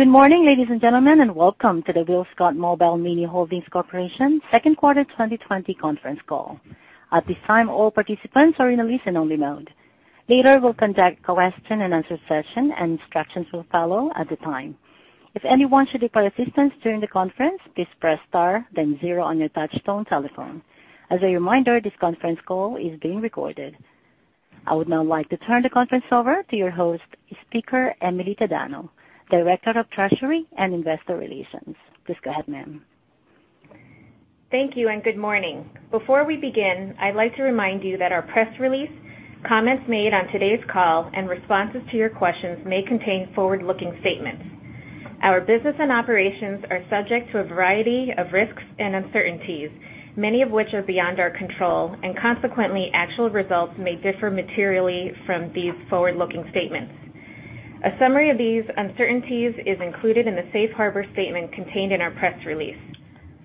Good morning, ladies and gentlemen, and welcome to the WillScot Mobile Mini Holdings Corp. second quarter 2020 conference call. At this time, all participants are in a listen-only mode. Later, we'll conduct a question-and-answer session, and instructions will follow at the time. If anyone should require assistance during the conference, please press star, then zero on your touch-tone telephone. As a reminder, this conference call is being recorded. I would now like to turn the conference over to your host, Emily Tadano, Director of Treasury and Investor Relations. Please go ahead, ma'am. Thank you, and good morning. Before we begin, I'd like to remind you that our press release, comments made on today's call, and responses to your questions may contain forward-looking statements. Our business and operations are subject to a variety of risks and uncertainties, many of which are beyond our control, and consequently, actual results may differ materially from these forward-looking statements. A summary of these uncertainties is included in the safe harbor statement contained in our press release.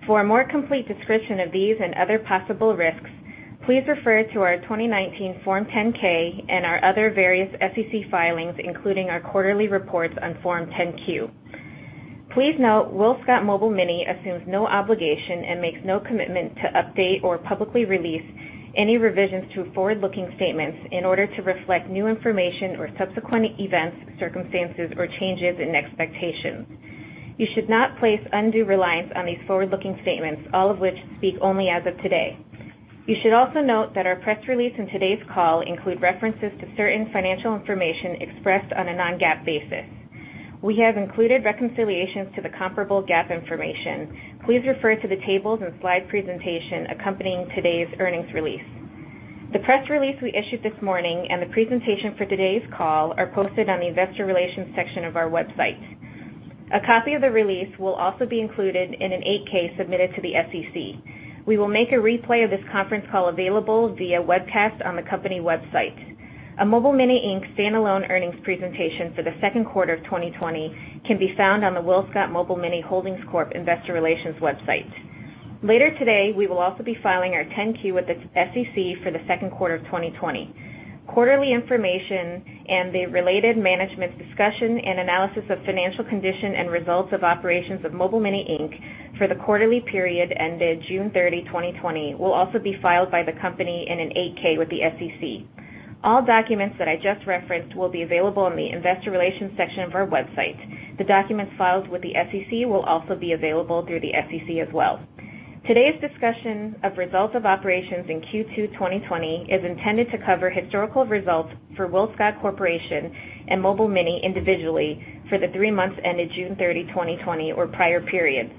For a more complete description of these and other possible risks, please refer to our 2019 Form 10-K and our other various SEC filings, including our quarterly reports on Form 10-Q. Please note, WillScot Mobile Mini assumes no obligation and makes no commitment to update or publicly release any revisions to forward-looking statements in order to reflect new information or subsequent events, circumstances, or changes in expectations. You should not place undue reliance on these forward-looking statements, all of which speak only as of today. You should also note that our press release and today's call include references to certain financial information expressed on a non-GAAP basis. We have included reconciliations to the comparable GAAP information. Please refer to the tables and slide presentation accompanying today's earnings release. The press release we issued this morning and the presentation for today's call are posted on the Investor Relations section of our website. A copy of the release will also be included in an 8-K submitted to the SEC. We will make a replay of this conference call available via webcast on the company website. A Mobile Mini Inc. standalone earnings presentation for the second quarter of 2020 can be found on the WillScot Mobile Mini Holdings Corp. Investor Relations website. Later today, we will also be filing our 10-Q with the SEC for the second quarter of 2020. Quarterly information and the related management discussion and analysis of financial condition and results of operations of Mobile Mini Inc. for the quarterly period ended June 30, 2020, will also be filed by the company in an 8-K with the SEC. All documents that I just referenced will be available in the Investor Relations section of our website. The documents filed with the SEC will also be available through the SEC as well. Today's discussion of results of operations in Q2 2020 is intended to cover historical results for WillScot Corporation and Mobile Mini individually for the three months ended June 30, 2020, or prior period.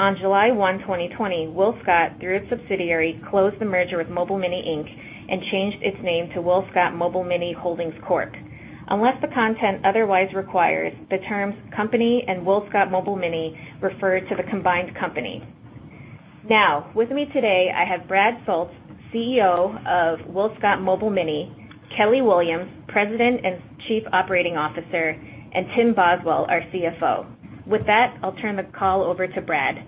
On July 1, 2020, WillScot, through its subsidiary, closed the merger with Mobile Mini Inc. and changed its name to WillScot Mobile Mini Holdings Corp. Unless the content otherwise requires, the terms company and WillScot Mobile Mini refer to the combined company. Now, with me today, I have Brad Soultz, CEO of WillScot Mobile Mini, Kelly Williams, President and Chief Operating Officer, and Tim Boswell, our CFO. With that, I'll turn the call over to Brad.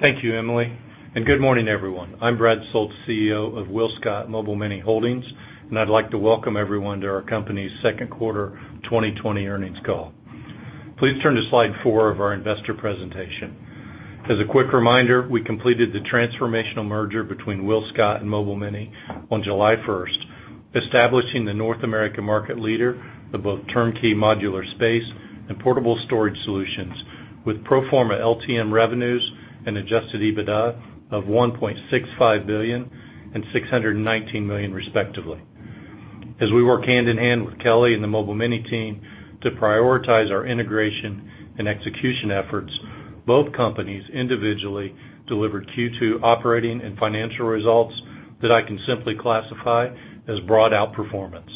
Thank you, Emily. Good morning, everyone. I'm Brad Soultz, CEO of WillScot Mobile Mini Holdings, and I'd like to welcome everyone to our company's second quarter 2020 earnings call. Please turn to slide four of our investor presentation. As a quick reminder, we completed the transformational merger between WillScot and Mobile Mini on July 1st, establishing the North America market leader of both turnkey modular space and portable storage solutions with pro forma LTM revenues and adjusted EBITDA of $1.65 billion and $619 million, respectively. As we work hand in hand with Kelly and the Mobile Mini team to prioritize our integration and execution efforts, both companies individually delivered Q2 operating and financial results that I can simply classify as broad outperformance.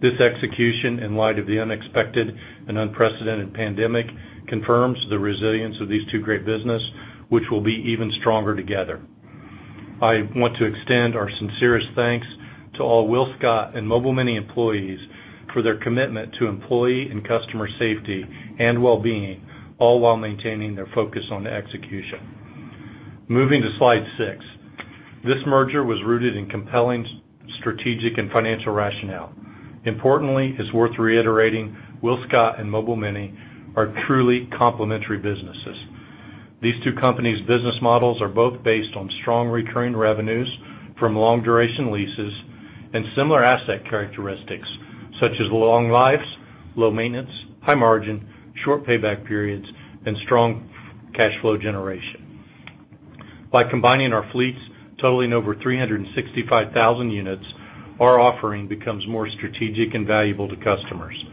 This execution, in light of the unexpected and unprecedented pandemic, confirms the resilience of these two great businesses, which will be even stronger together. I want to extend our sincerest thanks to all WillScot and Mobile Mini employees for their commitment to employee and customer safety and well-being, all while maintaining their focus on execution. Moving to slide six, this merger was rooted in compelling strategic and financial rationale. Importantly, it's worth reiterating, WillScot and Mobile Mini are truly complementary businesses. These two companies' business models are both based on strong recurring revenues from long-duration leases and similar asset characteristics such as long lives, low maintenance, high margin, short payback periods, and strong cash flow generation. By combining our fleets totaling over 365,000 units, our offering becomes more strategic and valuable to customers.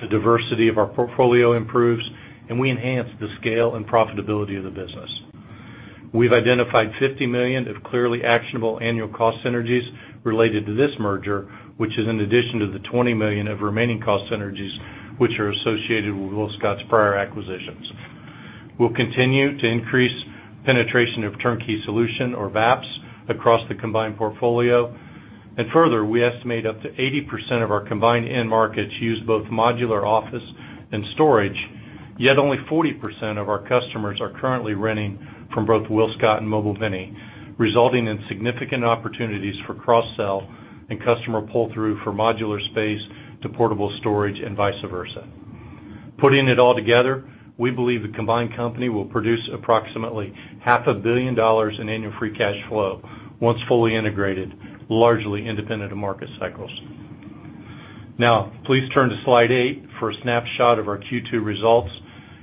The diversity of our portfolio improves, and we enhance the scale and profitability of the business. We've identified $50 million of clearly actionable annual cost synergies related to this merger, which is in addition to the $20 million of remaining cost synergies which are associated with WillScot's prior acquisitions. We'll continue to increase penetration of turnkey solution, or VAPS, across the combined portfolio. And further, we estimate up to 80% of our combined end markets use both modular office and storage, yet only 40% of our customers are currently renting from both WillScot and Mobile Mini, resulting in significant opportunities for cross-sell and customer pull-through for modular space to portable storage and vice versa. Putting it all together, we believe the combined company will produce approximately $500 million in annual free cash flow once fully integrated, largely independent of market cycles. Now, please turn to slide eight for a snapshot of our Q2 results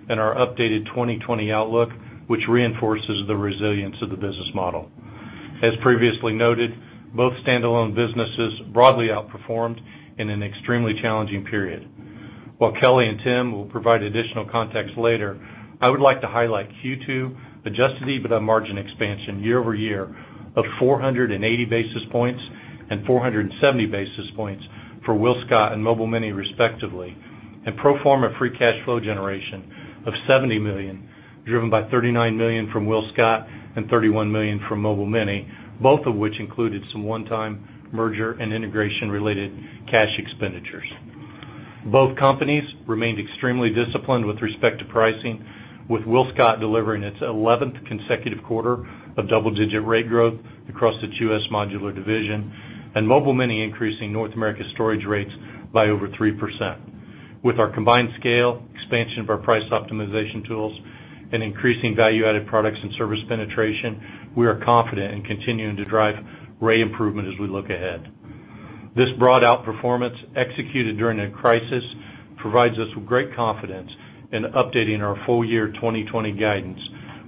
and our updated 2020 outlook, which reinforces the resilience of the business model. As previously noted, both standalone businesses broadly outperformed in an extremely challenging period. While Kelly and Tim will provide additional context later, I would like to highlight Q2 adjusted EBITDA margin expansion year-over-year of 480 basis points and 470 basis points for WillScot and Mobile Mini, respectively, and pro forma free cash flow generation of $70 million, driven by $39 million from WillScot and $31 million from Mobile Mini, both of which included some one-time merger and integration-related cash expenditures. Both companies remained extremely disciplined with respect to pricing, with WillScot delivering its 11th consecutive quarter of double-digit rate growth across its U.S. modular division and Mobile Mini increasing North America Storage rates by over 3%. With our combined scale, expansion of our price optimization tools, and increasing value-added products and service penetration, we are confident in continuing to drive rate improvement as we look ahead. This broad outperformance, executed during a crisis, provides us with great confidence in updating our full year 2020 guidance,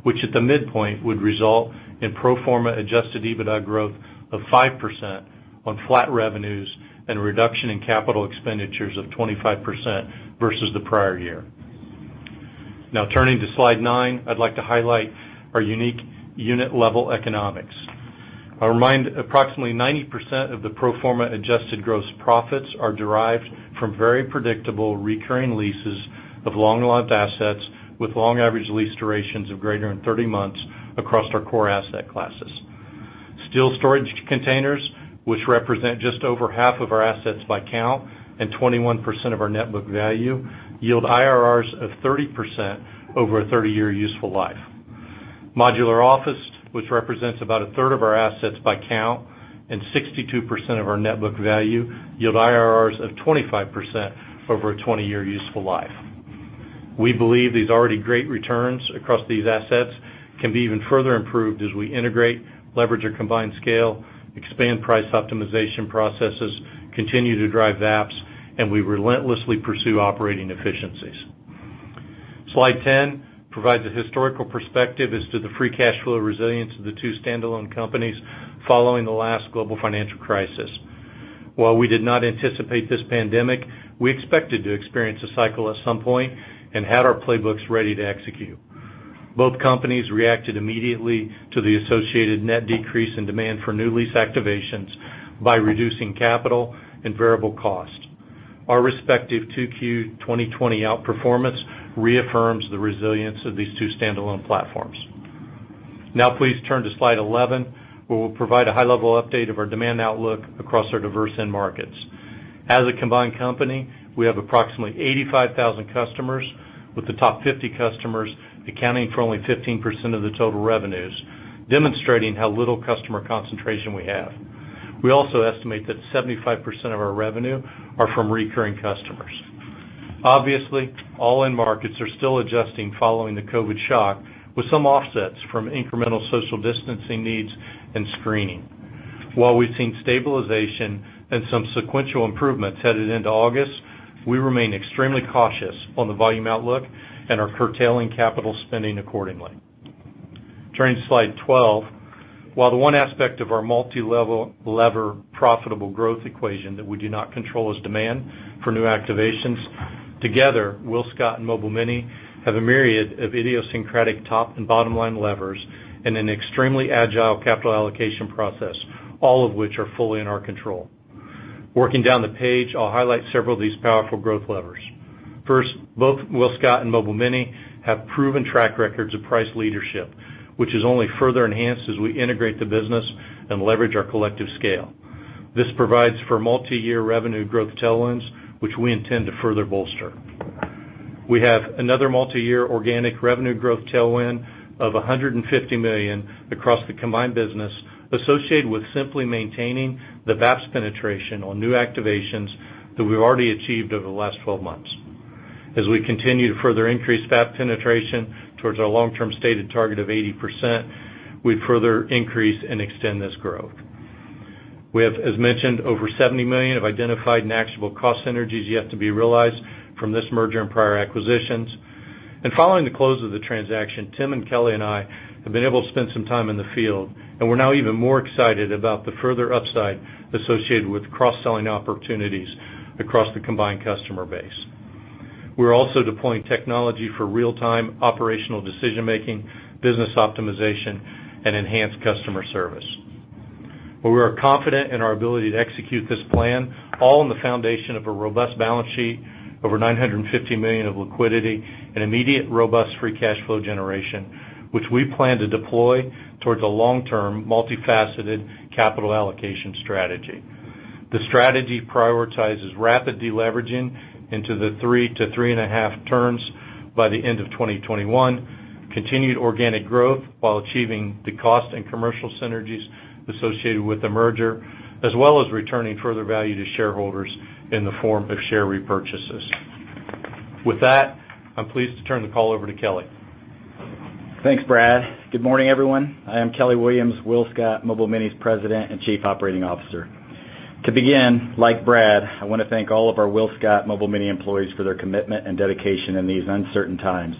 which at the midpoint would result in pro forma Adjusted EBITDA growth of 5% on flat revenues and a reduction in capital expenditures of 25% versus the prior year. Now, turning to slide nine, I'd like to highlight our unique unit-level economics. I remind approximately 90% of the pro forma Adjusted gross profits are derived from very predictable recurring leases of long-lived assets with long-average lease durations of greater than 30 months across our core asset classes. Steel storage containers, which represent just over half of our assets by count and 21% of our net book value, yield IRRs of 30% over a 30-year useful life. Modular office, which represents about a third of our assets by count and 62% of our net book value, yield IRRs of 25% over a 20-year useful life. We believe these already great returns across these assets can be even further improved as we integrate, leverage our combined scale, expand price optimization processes, continue to drive VAPS, and we relentlessly pursue operating efficiencies. Slide 10 provides a historical perspective as to the free cash flow resilience of the two standalone companies following the last global financial crisis. While we did not anticipate this pandemic, we expected to experience a cycle at some point and had our playbooks ready to execute. Both companies reacted immediately to the associated net decrease in demand for new lease activations by reducing capital and variable cost. Our respective Q2 2020 outperformance reaffirms the resilience of these two standalone platforms. Now, please turn to slide 11, where we'll provide a high-level update of our demand outlook across our diverse end markets. As a combined company, we have approximately 85,000 customers, with the top 50 customers accounting for only 15% of the total revenues, demonstrating how little customer concentration we have. We also estimate that 75% of our revenue are from recurring customers. Obviously, all end markets are still adjusting following the COVID shock, with some offsets from incremental social distancing needs and screening. While we've seen stabilization and some sequential improvements headed into August, we remain extremely cautious on the volume outlook and are curtailing capital spending accordingly. Turning to Slide 12, while the one aspect of our multi-lever profitable growth equation that we do not control is demand for new activations, together, WillScot and Mobile Mini have a myriad of idiosyncratic top and bottom-line levers and an extremely agile capital allocation process, all of which are fully in our control. Working down the page, I'll highlight several of these powerful growth levers. First, both WillScot and Mobile Mini have proven track records of price leadership, which is only further enhanced as we integrate the business and leverage our collective scale. This provides for multi-year revenue growth tailwinds, which we intend to further bolster. We have another multi-year organic revenue growth tailwind of $150 million across the combined business, associated with simply maintaining the VAPS penetration on new activations that we've already achieved over the last 12 months. As we continue to further increase VAP penetration towards our long-term stated target of 80%, we further increase and extend this growth. We have, as mentioned, over $70 million of identified and actionable cost synergies yet to be realized from this merger and prior acquisitions, and following the close of the transaction, Tim and Kelly and I have been able to spend some time in the field, and we're now even more excited about the further upside associated with cross-selling opportunities across the combined customer base. We're also deploying technology for real-time operational decision-making, business optimization, and enhanced customer service. We are confident in our ability to execute this plan, all on the foundation of a robust balance sheet, over $950 million of liquidity, and immediate robust free cash flow generation, which we plan to deploy towards a long-term multifaceted capital allocation strategy. The strategy prioritizes rapid deleveraging into the 3x-3.5x by the end of 2021, continued organic growth while achieving the cost and commercial synergies associated with the merger, as well as returning further value to shareholders in the form of share repurchases. With that, I'm pleased to turn the call over to Kelly. Thanks, Brad. Good morning, everyone. I am Kelly Williams, WillScot Mobile Mini's President and Chief Operating Officer. To begin, like Brad, I want to thank all of our WillScot Mobile Mini employees for their commitment and dedication in these uncertain times.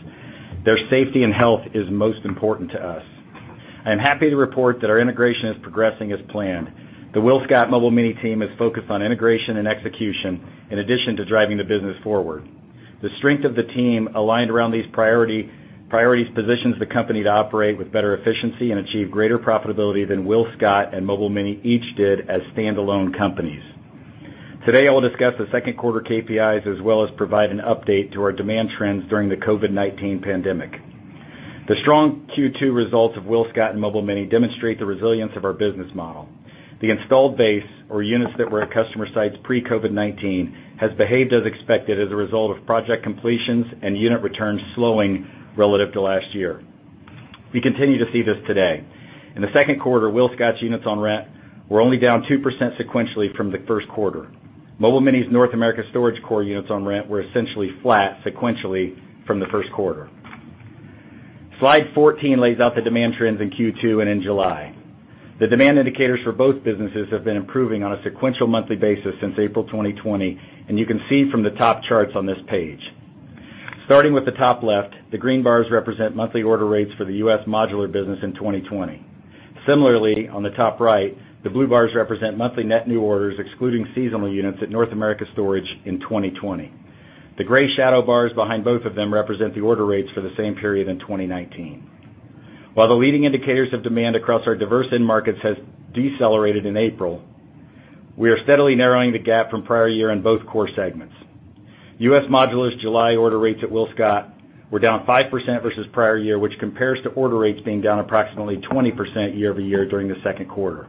Their safety and health is most important to us. I am happy to report that our integration is progressing as planned. The WillScot Mobile Mini team is focused on integration and execution in addition to driving the business forward. The strength of the team aligned around these priorities positions the company to operate with better efficiency and achieve greater profitability than WillScot and Mobile Mini each did as standalone companies. Today, I will discuss the second quarter KPIs as well as provide an update to our demand trends during the COVID-19 pandemic. The strong Q2 results of WillScot and Mobile Mini demonstrate the resilience of our business model. The installed base, or units that were at customer sites pre-COVID-19, has behaved as expected as a result of project completions and unit returns slowing relative to last year. We continue to see this today. In the second quarter, WillScot's units on rent were only down 2% sequentially from the first quarter. Mobile Mini's North America Storage core units on rent were essentially flat sequentially from the first quarter. Slide 14 lays out the demand trends in Q2 and in July. The demand indicators for both businesses have been improving on a sequential monthly basis since April 2020, and you can see from the top charts on this page. Starting with the top left, the green bars represent monthly order rates for the U.S. modular business in 2020. Similarly, on the top right, the blue bars represent monthly net new orders excluding seasonal units at North America Storage in 2020. The gray shadow bars behind both of them represent the order rates for the same period in 2019. While the leading indicators of demand across our diverse end markets have decelerated in April, we are steadily narrowing the gap from prior year in both core segments. U.S. modular's July order rates at WillScot were down 5% versus prior year, which compares to order rates being down approximately 20% year-over-year during the second quarter.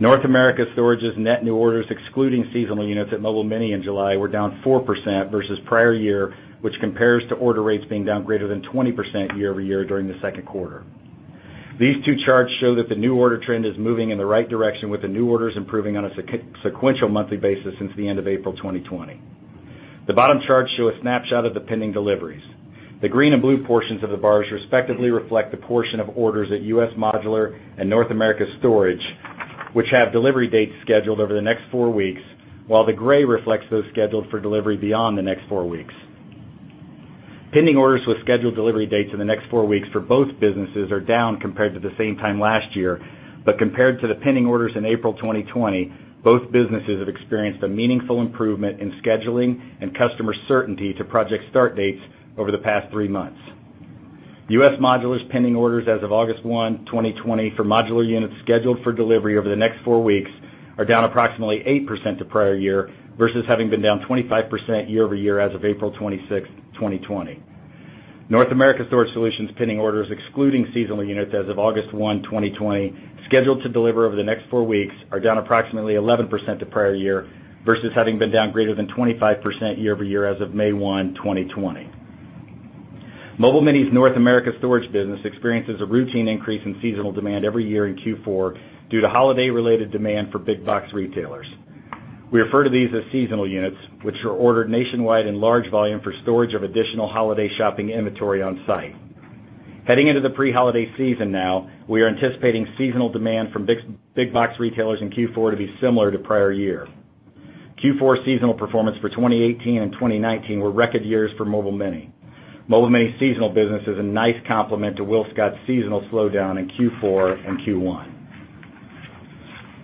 North America Storage's net new orders excluding seasonal units at Mobile Mini in July were down 4% versus prior year, which compares to order rates being down greater than 20% year-over-year during the second quarter. These two charts show that the new order trend is moving in the right direction, with the new orders improving on a sequential monthly basis since the end of April 2020. The bottom charts show a snapshot of the pending deliveries. The green and blue portions of the bars respectively reflect the portion of orders at U.S. modular and North America Storage, which have delivery dates scheduled over the next four weeks, while the gray reflects those scheduled for delivery beyond the next four weeks. Pending orders with scheduled delivery dates in the next four weeks for both businesses are down compared to the same time last year, but compared to the pending orders in April 2020, both businesses have experienced a meaningful improvement in scheduling and customer certainty to project start dates over the past three months. U.S. modular's pending orders as of August 1, 2020, for modular units scheduled for delivery over the next four weeks are down approximately 8% to prior year versus having been down 25% year-over-year as of April 26, 2020. North America Storage solutions' pending orders excluding seasonal units as of August 1, 2020, scheduled to deliver over the next four weeks are down approximately 11% to prior year versus having been down greater than 25% year-over-year as of May 1, 2020. Mobile Mini's North America Storage business experiences a routine increase in seasonal demand every year in Q4 due to holiday-related demand for big-box retailers. We refer to these as seasonal units, which are ordered nationwide in large volume for storage of additional holiday shopping inventory on-site. Heading into the pre-holiday season now, we are anticipating seasonal demand from big-box retailers in Q4 to be similar to prior year. Q4 seasonal performance for 2018 and 2019 were record years for Mobile Mini. Mobile Mini's seasonal business is a nice complement to WillScot's seasonal slowdown in Q4 and Q1.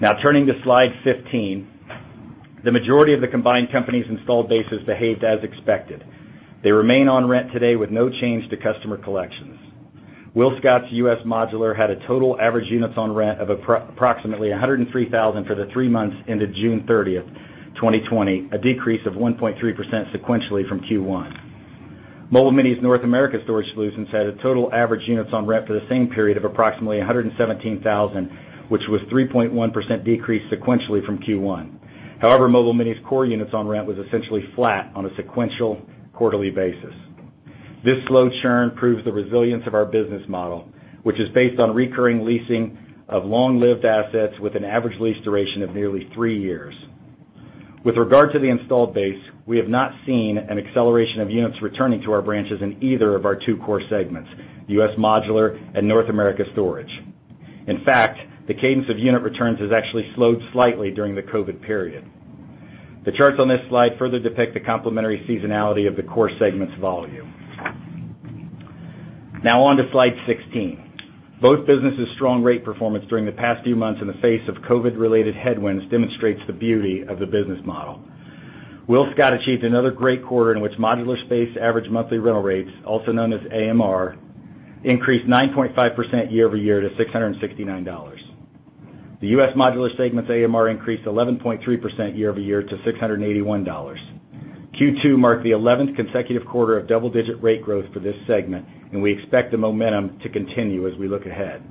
Now, turning to slide 15, the majority of the combined company's installed bases behaved as expected. They remain on rent today with no change to customer collections. WillScot's U.S. modular had a total average units on rent of approximately 103,000 for the three months ended June 30th, 2020, a decrease of 1.3% sequentially from Q1. Mobile Mini's North America Storage solutions had a total average units on rent for the same period of approximately 117,000, which was 3.1% decrease sequentially from Q1. However, Mobile Mini's core units on rent was essentially flat on a sequential quarterly basis. This slow churn proves the resilience of our business model, which is based on recurring leasing of long-lived assets with an average lease duration of nearly three years. With regard to the installed base, we have not seen an acceleration of units returning to our branches in either of our two core segments, U.S. modular and North America Storage. In fact, the cadence of unit returns has actually slowed slightly during the COVID period. The charts on this slide further depict the complementary seasonality of the core segment's volume. Now, on to slide 16. Both businesses' strong rate performance during the past few months in the face of COVID-related headwinds demonstrates the beauty of the business model. WillScot achieved another great quarter in which modular space average monthly rental rates, also known as AMR, increased 9.5% year-over-year to $669. The U.S. modular segment's AMR increased 11.3% year-over-year to $681. Q2 marked the 11th consecutive quarter of double-digit rate growth for this segment, and we expect the momentum to continue as we look ahead.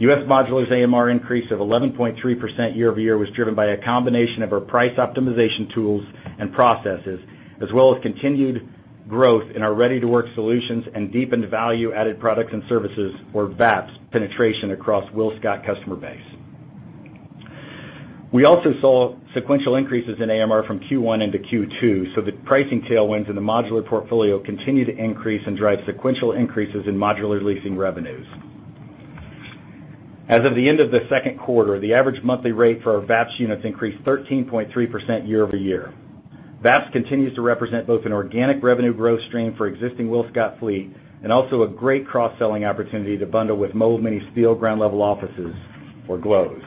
U.S. Modular's AMR increase of 11.3% year-over-year was driven by a combination of our price optimization tools and processes, as well as continued growth in our Ready to Work solutions and deepened value-added products and services, or VAPS, penetration across WillScot's customer base. We also saw sequential increases in AMR from Q1 into Q2, so the pricing tailwinds in the modular portfolio continue to increase and drive sequential increases in modular leasing revenues. As of the end of the second quarter, the average monthly rate for our VAPS units increased 13.3% year-over-year. VAPS continues to represent both an organic revenue growth stream for existing WillScot fleet and also a great cross-selling opportunity to bundle with Mobile Mini's field ground-level offices, or GLOs.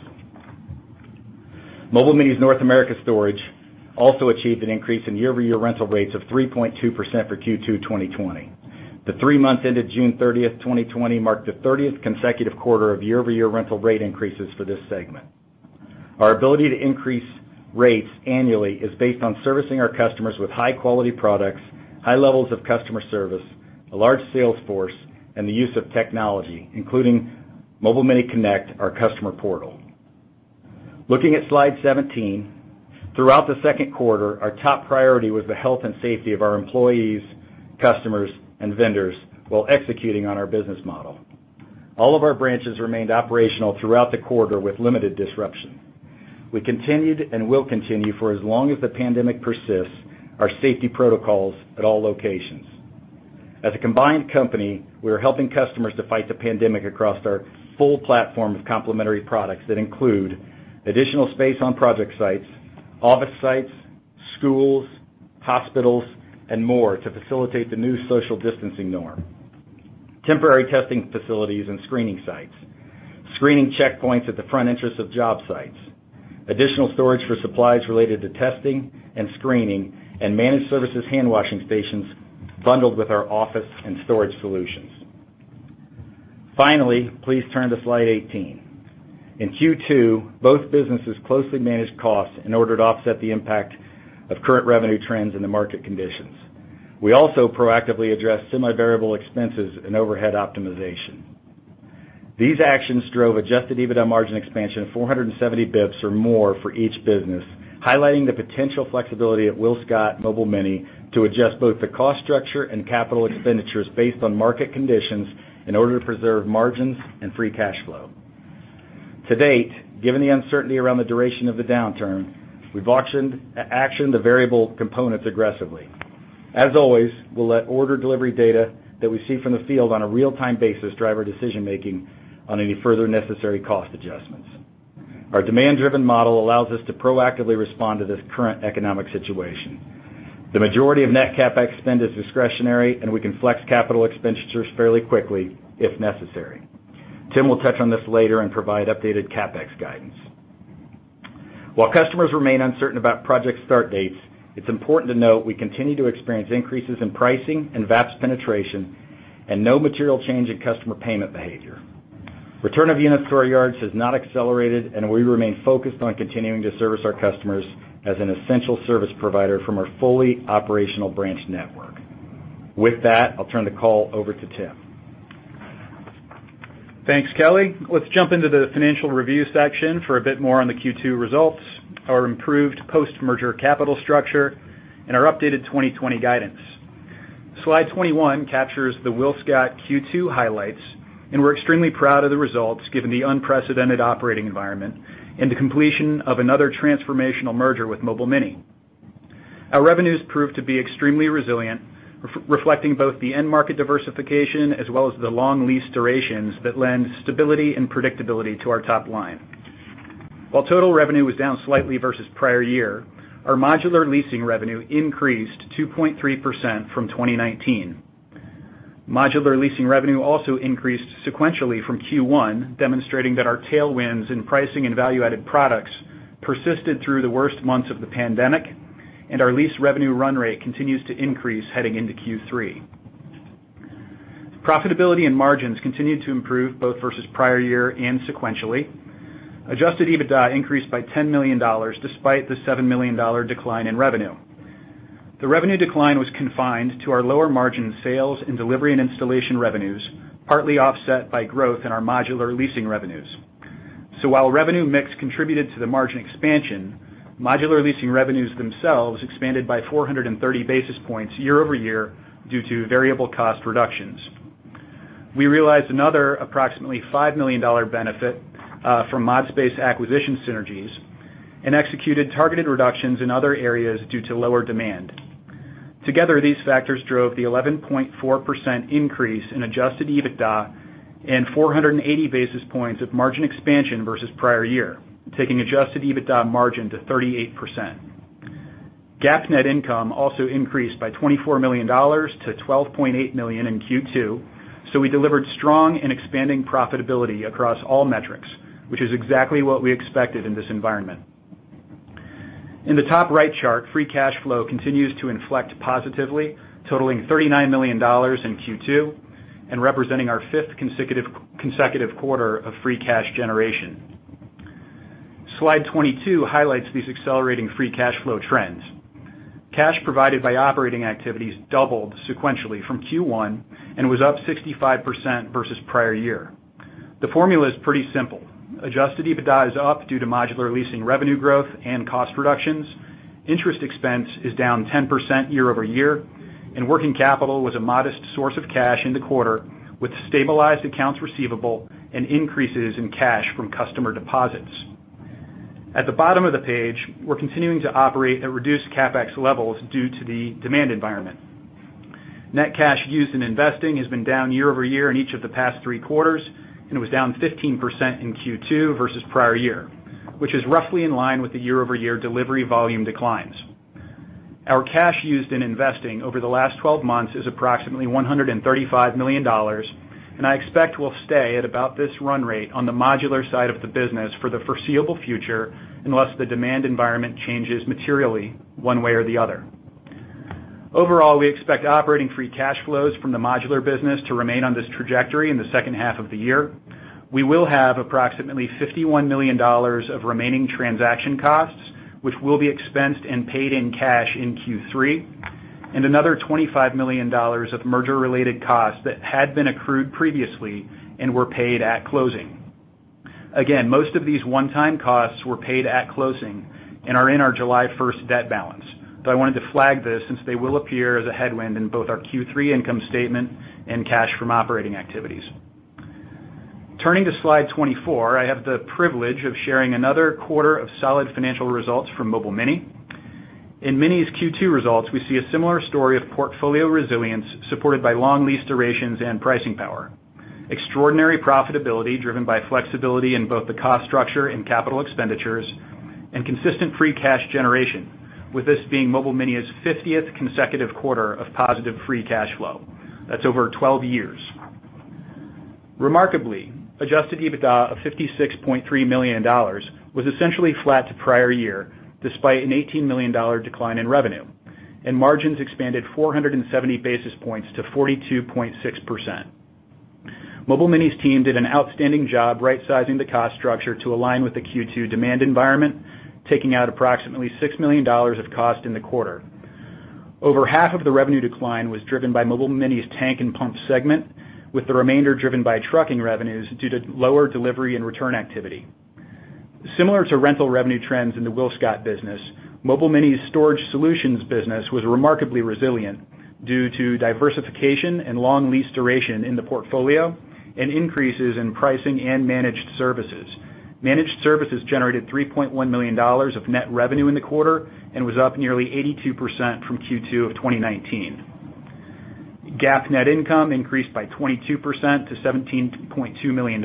Mobile Mini's North America Storage also achieved an increase in year-over-year rental rates of 3.2% for Q2 2020. The three months ended June 30, 2020, marked the 30th consecutive quarter of year-over-year rental rate increases for this segment. Our ability to increase rates annually is based on servicing our customers with high-quality products, high levels of customer service, a large sales force, and the use of technology, including Mobile Mini Connect, our customer portal. Looking at slide 17, throughout the second quarter, our top priority was the health and safety of our employees, customers, and vendors while executing on our business model. All of our branches remained operational throughout the quarter with limited disruption. We continued and will continue, for as long as the pandemic persists, our safety protocols at all locations. As a combined company, we are helping customers to fight the pandemic across our full platform of complementary products that include additional space on project sites, office sites, schools, hospitals, and more to facilitate the new social distancing norm, temporary testing facilities and screening sites, screening checkpoints at the front entrance of job sites, additional storage for supplies related to testing and screening, and managed services handwashing stations bundled with our office and storage solutions. Finally, please turn to slide 18. In Q2, both businesses closely managed costs in order to offset the impact of current revenue trends and the market conditions. We also proactively addressed semi-variable expenses and overhead optimization. These actions drove Adjusted EBITDA margin expansion of 470 basis points or more for each business, highlighting the potential flexibility of WillScot Mobile Mini to adjust both the cost structure and capital expenditures based on market conditions in order to preserve margins and free cash flow. To date, given the uncertainty around the duration of the downturn, we've actioned the variable components aggressively. As always, we'll let order delivery data that we see from the field on a real-time basis drive our decision-making on any further necessary cost adjustments. Our demand-driven model allows us to proactively respond to this current economic situation. The majority of net CapEx spend is discretionary, and we can flex capital expenditures fairly quickly if necessary. Tim will touch on this later and provide updated CapEx guidance. While customers remain uncertain about project start dates, it's important to note we continue to experience increases in pricing and VAPS penetration and no material change in customer payment behavior. Return of units to our yards has not accelerated, and we remain focused on continuing to service our customers as an essential service provider from our fully operational branch network. With that, I'll turn the call over to Tim. Thanks, Kelly. Let's jump into the financial review section for a bit more on the Q2 results, our improved post-merger capital structure, and our updated 2020 guidance. Slide 21 captures the WillScot Q2 highlights, and we're extremely proud of the results given the unprecedented operating environment and the completion of another transformational merger with Mobile Mini. Our revenues proved to be extremely resilient, reflecting both the end market diversification as well as the long lease durations that lend stability and predictability to our top line. While total revenue was down slightly versus prior year, our modular leasing revenue increased 2.3% from 2019. Modular leasing revenue also increased sequentially from Q1, demonstrating that our tailwinds in pricing and value-added products persisted through the worst months of the pandemic, and our lease revenue run rate continues to increase heading into Q3. Profitability and margins continued to improve both versus prior year and sequentially. Adjusted EBITDA increased by $10 million despite the $7 million decline in revenue. The revenue decline was confined to our lower margin sales and delivery and installation revenues, partly offset by growth in our modular leasing revenues. So while revenue mix contributed to the margin expansion, modular leasing revenues themselves expanded by 430 basis points year-over-year due to variable cost reductions. We realized another approximately $5 million benefit from ModSpace acquisition synergies and executed targeted reductions in other areas due to lower demand. Together, these factors drove the 11.4% increase in adjusted EBITDA and 480 basis points of margin expansion versus prior year, taking adjusted EBITDA margin to 38%. GAAP net income also increased by $24 million to $12.8 million in Q2, so we delivered strong and expanding profitability across all metrics, which is exactly what we expected in this environment. In the top right chart, free cash flow continues to inflect positively, totaling $39 million in Q2 and representing our fifth consecutive quarter of free cash generation. Slide 22 highlights these accelerating free cash flow trends. Cash provided by operating activities doubled sequentially from Q1 and was up 65% versus prior year. The formula is pretty simple. Adjusted EBITDA is up due to modular leasing revenue growth and cost reductions. Interest expense is down 10% year-over-year, and working capital was a modest source of cash in the quarter with stabilized accounts receivable and increases in cash from customer deposits. At the bottom of the page, we're continuing to operate at reduced CapEx levels due to the demand environment. Net cash used in investing has been down year-over-year in each of the past three quarters, and it was down 15% in Q2 versus prior year, which is roughly in line with the year-over-year delivery volume declines. Our cash used in investing over the last 12 months is approximately $135 million, and I expect we'll stay at about this run rate on the modular side of the business for the foreseeable future unless the demand environment changes materially one way or the other. Overall, we expect operating free cash flows from the modular business to remain on this trajectory in the second half of the year. We will have approximately $51 million of remaining transaction costs, which will be expensed and paid in cash in Q3, and another $25 million of merger-related costs that had been accrued previously and were paid at closing. Again, most of these one-time costs were paid at closing and are in our July 1st, debt balance, but I wanted to flag this since they will appear as a headwind in both our Q3 income statement and cash from operating activities. Turning to slide 24, I have the privilege of sharing another quarter of solid financial results from Mobile Mini. In Mini's Q2 results, we see a similar story of portfolio resilience supported by long lease durations and pricing power, extraordinary profitability driven by flexibility in both the cost structure and capital expenditures, and consistent free cash generation, with this being Mobile Mini's 50th consecutive quarter of positive free cash flow. That's over 12 years. Remarkably, Adjusted EBITDA of $56.3 million was essentially flat to prior year despite an $18 million decline in revenue, and margins expanded 470 basis points to 42.6%. Mobile Mini's team did an outstanding job right-sizing the cost structure to align with the Q2 demand environment, taking out approximately $6 million of cost in the quarter. Over half of the revenue decline was driven by Mobile Mini's Tank and Pump segment, with the remainder driven by trucking revenues due to lower delivery and return activity. Similar to rental revenue trends in the WillScot business, Mobile Mini's storage solutions business was remarkably resilient due to diversification and long lease duration in the portfolio and increases in pricing and managed services. Managed services generated $3.1 million of net revenue in the quarter and was up nearly 82% from Q2 of 2019. GAAP net income increased by 22% to $17.2 million,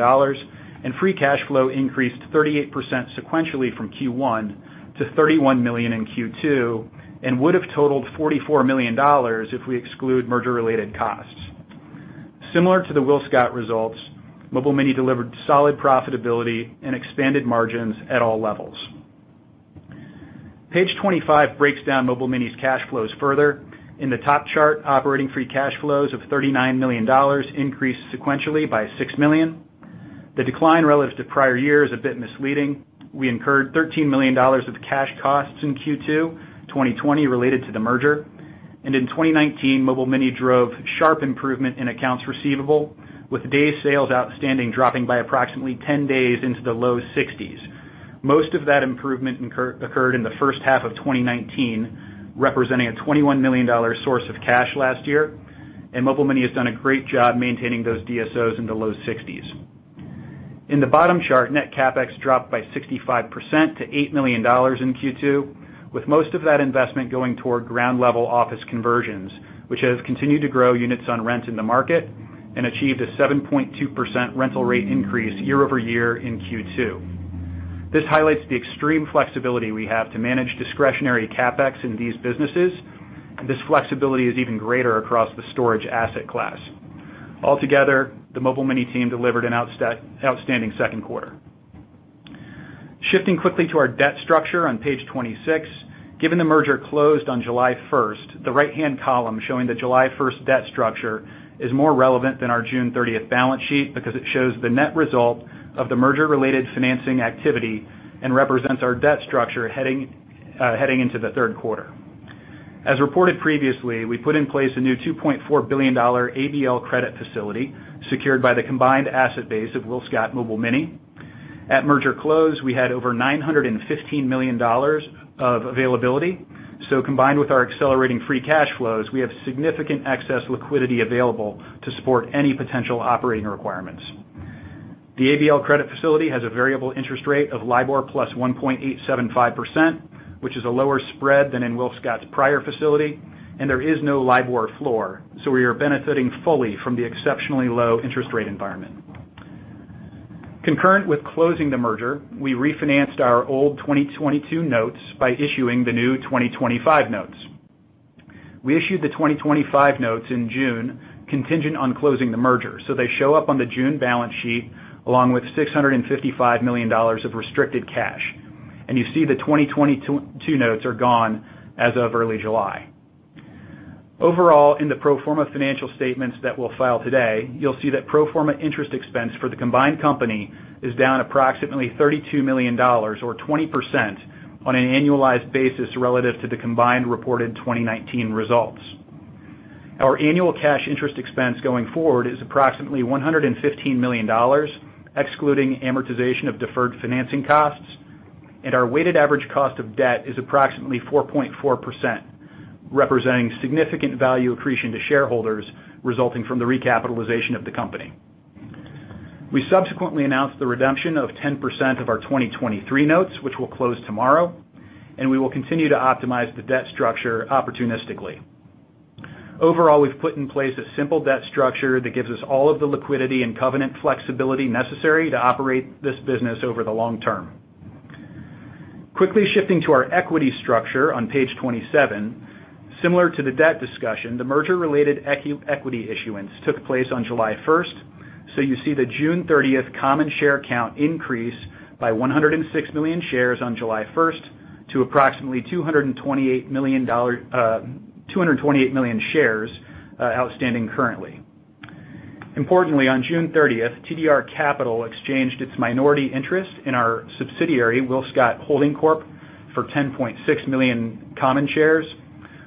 and free cash flow increased 38% sequentially from Q1 to $31 million in Q2 and would have totaled $44 million if we exclude merger-related costs. Similar to the WillScot results, Mobile Mini delivered solid profitability and expanded margins at all levels. Page 25 breaks down Mobile Mini's cash flows further. In the top chart, operating free cash flows of $39 million increased sequentially by $6 million. The decline relative to prior year is a bit misleading. We incurred $13 million of cash costs in Q2 2020 related to the merger, and in 2019, Mobile Mini drove sharp improvement in accounts receivable, with day sales outstanding dropping by approximately 10 days into the low 60s. Most of that improvement occurred in the first half of 2019, representing a $21 million source of cash last year, and Mobile Mini has done a great job maintaining those DSOs in the low 60s. In the bottom chart, net CapEx dropped by 65% to $8 million in Q2, with most of that investment going toward ground-level office conversions, which has continued to grow units on rent in the market and achieved a 7.2% rental rate increase year-over-year in Q2. This highlights the extreme flexibility we have to manage discretionary CapEx in these businesses, and this flexibility is even greater across the storage asset class. Altogether, the Mobile Mini team delivered an outstanding second quarter. Shifting quickly to our debt structure on page 26, given the merger closed on July 1st, the right-hand column showing the July 1st, debt structure is more relevant than our June 30th balance sheet because it shows the net result of the merger-related financing activity and represents our debt structure heading into the third quarter. As reported previously, we put in place a new $2.4 billion ABL credit facility secured by the combined asset base of WillScot Mobile Mini. At merger close, we had over $915 million of availability, so combined with our accelerating free cash flows, we have significant excess liquidity available to support any potential operating requirements. The ABL credit facility has a variable interest rate of LIBOR plus 1.875%, which is a lower spread than in WillScot's prior facility, and there is no LIBOR floor, so we are benefiting fully from the exceptionally low interest rate environment. Concurrent with closing the merger, we refinanced our old 2022 notes by issuing the new 2025 notes. We issued the 2025 notes in June, contingent on closing the merger, so they show up on the June balance sheet along with $655 million of restricted cash, and you see the 2022 notes are gone as of early July. Overall, in the pro forma financial statements that we'll file today, you'll see that pro forma interest expense for the combined company is down approximately $32 million, or 20% on an annualized basis relative to the combined reported 2019 results. Our annual cash interest expense going forward is approximately $115 million, excluding amortization of deferred financing costs, and our weighted average cost of debt is approximately 4.4%, representing significant value accretion to shareholders resulting from the recapitalization of the company. We subsequently announced the redemption of 10% of our 2023 notes, which will close tomorrow, and we will continue to optimize the debt structure opportunistically. Overall, we've put in place a simple debt structure that gives us all of the liquidity and covenant flexibility necessary to operate this business over the long-term. Quickly shifting to our equity structure on page 27, similar to the debt discussion, the merger-related equity issuance took place on July 1st, so you see the June 30th, common share count increase by 106 million shares on July 1st, to approximately 228 million shares outstanding currently. Importantly, on June 30th, TDR Capital exchanged its minority interest in our subsidiary, WillScot Corporation, for 10.6 million common shares,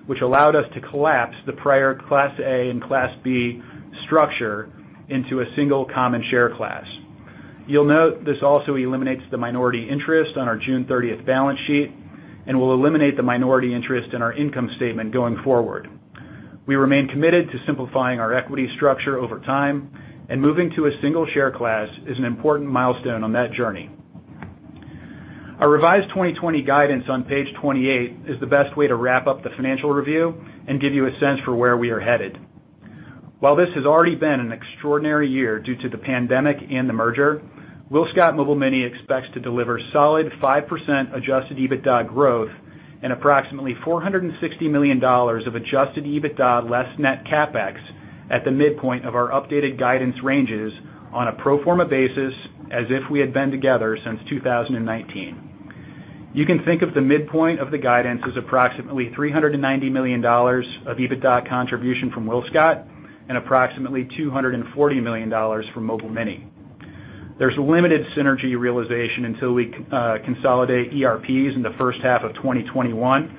which allowed us to collapse the prior Class A and Class B structure into a single common share class. You'll note this also eliminates the minority interest on our June 30th balance sheet and will eliminate the minority interest in our income statement going forward. We remain committed to simplifying our equity structure over time, and moving to a single share class is an important milestone on that journey. Our revised 2020 guidance on page 28 is the best way to wrap up the financial review and give you a sense for where we are headed. While this has already been an extraordinary year due to the pandemic and the merger, WillScot Mobile Mini expects to deliver solid 5% Adjusted EBITDA growth and approximately $460 million of Adjusted EBITDA less net CapEx at the midpoint of our updated guidance ranges on a Pro Forma basis as if we had been together since 2019. You can think of the midpoint of the guidance as approximately $390 million of EBITDA contribution from WillScot and approximately $240 million from Mobile Mini. There's limited synergy realization until we consolidate ERPs in the first half of 2021,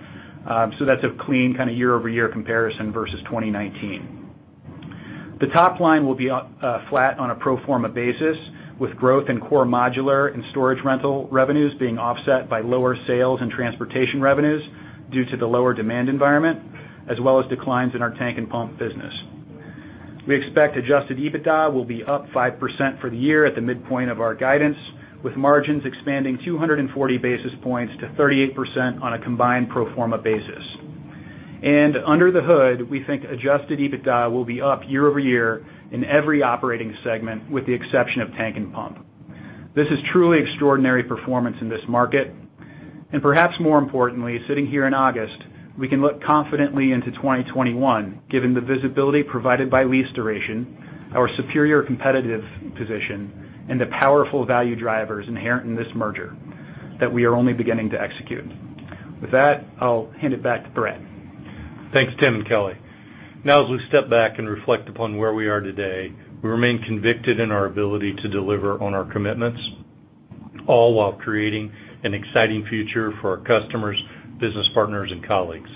so that's a clean kind of year-over-year comparison versus 2019. The top line will be flat on a pro forma basis, with growth in core modular and storage rental revenues being offset by lower sales and transportation revenues due to the lower demand environment, as well as declines in our Tank and Pump business. We expect adjusted EBITDA will be up 5% for the year at the midpoint of our guidance, with margins expanding 240 basis points to 38% on a combined pro forma basis, and under the hood, we think adjusted EBITDA will be up year-over-year in every operating segment with the exception of Tank and Pump. This is truly extraordinary performance in this market, and perhaps more importantly, sitting here in August, we can look confidently into 2021 given the visibility provided by lease duration, our superior competitive position, and the powerful value drivers inherent in this merger that we are only beginning to execute. With that, I'll hand it back to Brad. Thanks, Tim and Kelly. Now, as we step back and reflect upon where we are today, we remain convicted in our ability to deliver on our commitments, all while creating an exciting future for our customers, business partners, and colleagues.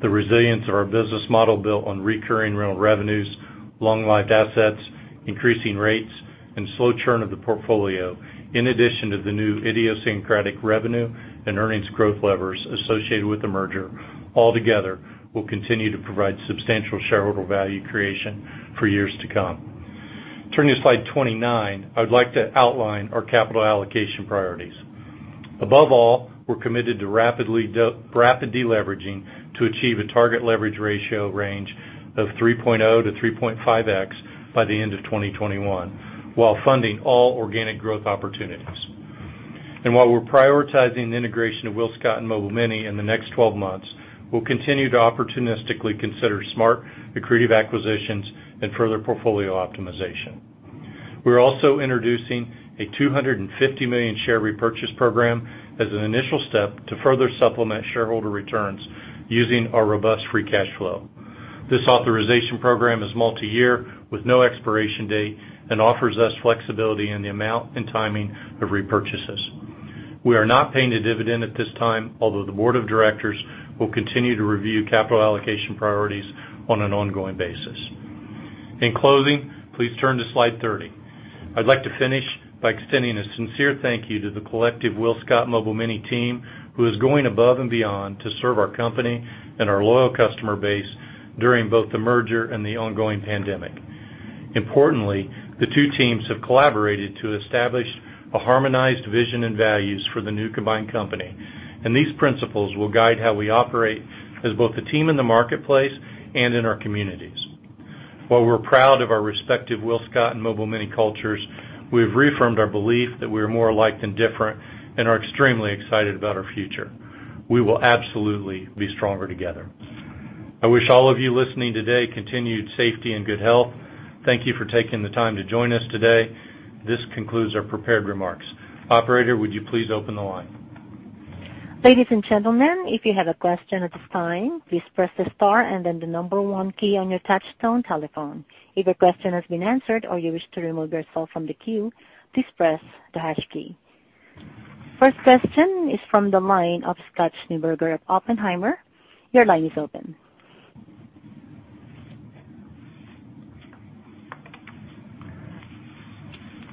The resilience of our business model built on recurring real revenues, long-lived assets, increasing rates, and slow churn of the portfolio, in addition to the new idiosyncratic revenue and earnings growth levers associated with the merger, all together will continue to provide substantial shareholder value creation for years to come. Turning to slide 29, I would like to outline our capital allocation priorities. Above all, we're committed to rapid deleveraging to achieve a target leverage ratio range of 3.0x-3.5x by the end of 2021, while funding all organic growth opportunities. And while we're prioritizing the integration of WillScot and Mobile Mini in the next 12 months, we'll continue to opportunistically consider smart accretive acquisitions and further portfolio optimization. We're also introducing a $250 million share repurchase program as an initial step to further supplement shareholder returns using our robust free cash flow. This authorization program is multi-year with no expiration date and offers us flexibility in the amount and timing of repurchases. We are not paying a dividend at this time, although the board of directors will continue to review capital allocation priorities on an ongoing basis. In closing, please turn to slide 30. I'd like to finish by extending a sincere thank you to the collective WillScot Mobile Mini team, who is going above and beyond to serve our company and our loyal customer base during both the merger and the ongoing pandemic. Importantly, the two teams have collaborated to establish a harmonized vision and values for the new combined company, and these principles will guide how we operate as both a team in the marketplace and in our communities. While we're proud of our respective WillScot and Mobile Mini cultures, we've reaffirmed our belief that we are more alike than different and are extremely excited about our future. We will absolutely be stronger together. I wish all of you listening today continued safety and good health. Thank you for taking the time to join us today. This concludes our prepared remarks. Operator, would you please open the line? Ladies and gentlemen, if you have a question at this time, please press the star and then the number one key on your touch-tone telephone. If your question has been answered or you wish to remove yourself from the queue, please press the hash key. First question is from the line of Scott Schneeberger of Oppenheimer. Your line is open.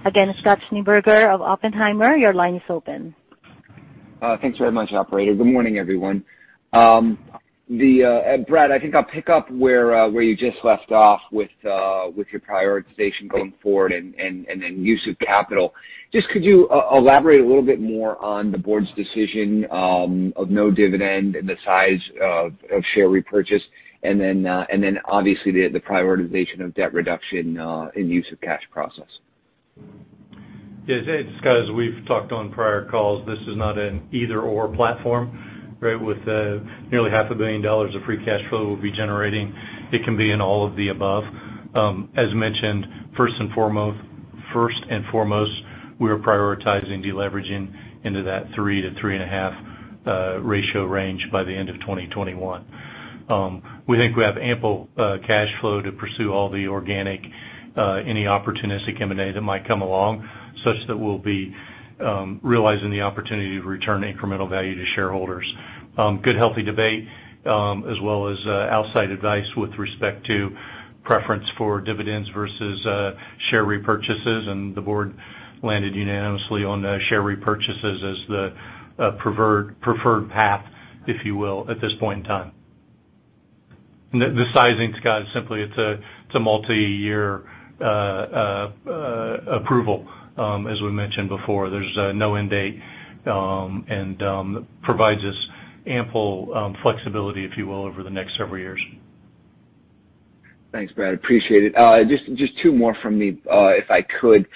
Again, Scott Schneeberger of Oppenheimer, your line is open. Thanks very much, Operator. Good morning, everyone. Brad, I think I'll pick up where you just left off with your prioritization going forward and then use of capital. Just could you elaborate a little bit more on the board's decision of no dividend and the size of share repurchase, and then obviously the prioritization of debt reduction and use of cash process? Yeah, as we've talked on prior calls, this is not an either/or platform, right? With nearly $500 million of free cash flow we'll be generating, it can be in all of the above. As mentioned, first and foremost, we are prioritizing deleveraging into that 3x-3.5x ratio range by the end of 2021. We think we have ample cash flow to pursue all the organic, any opportunistic M&A that might come along, such that we'll be realizing the opportunity to return incremental value to shareholders. Good healthy debate, as well as outside advice with respect to preference for dividends versus share repurchases, and the board landed unanimously on share repurchases as the preferred path, if you will, at this point in time. The sizing is simply it's a multi-year approval, as we mentioned before. There's no end date, and it provides us ample flexibility, if you will, over the next several years. Thanks, Brad. Appreciate it. Just two more from me, if I could.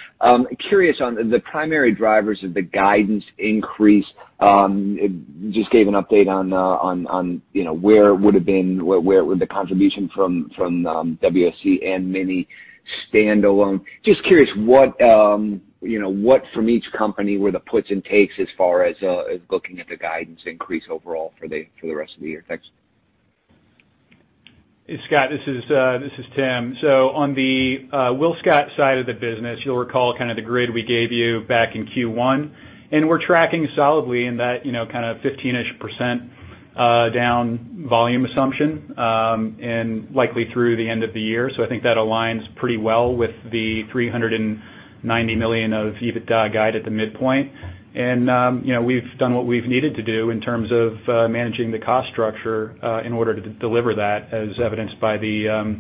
Curious on the primary drivers of the guidance increase? Just gave an update on where it would have been, where it would have been the contribution from WSC and Mini standalone. Just curious what from each company were the puts and takes as far as looking at the guidance increase overall for the rest of the year? Thanks. Hey, Scott, this is Tim. On the WillScot side of the business, you'll recall kind of the grid we gave you back in Q1, and we're tracking solidly in that kind of 15%-ish down volume assumption and likely through the end of the year. I think that aligns pretty well with the $390 million of EBITDA guide at the midpoint. We've done what we've needed to do in terms of managing the cost structure in order to deliver that, as evidenced by the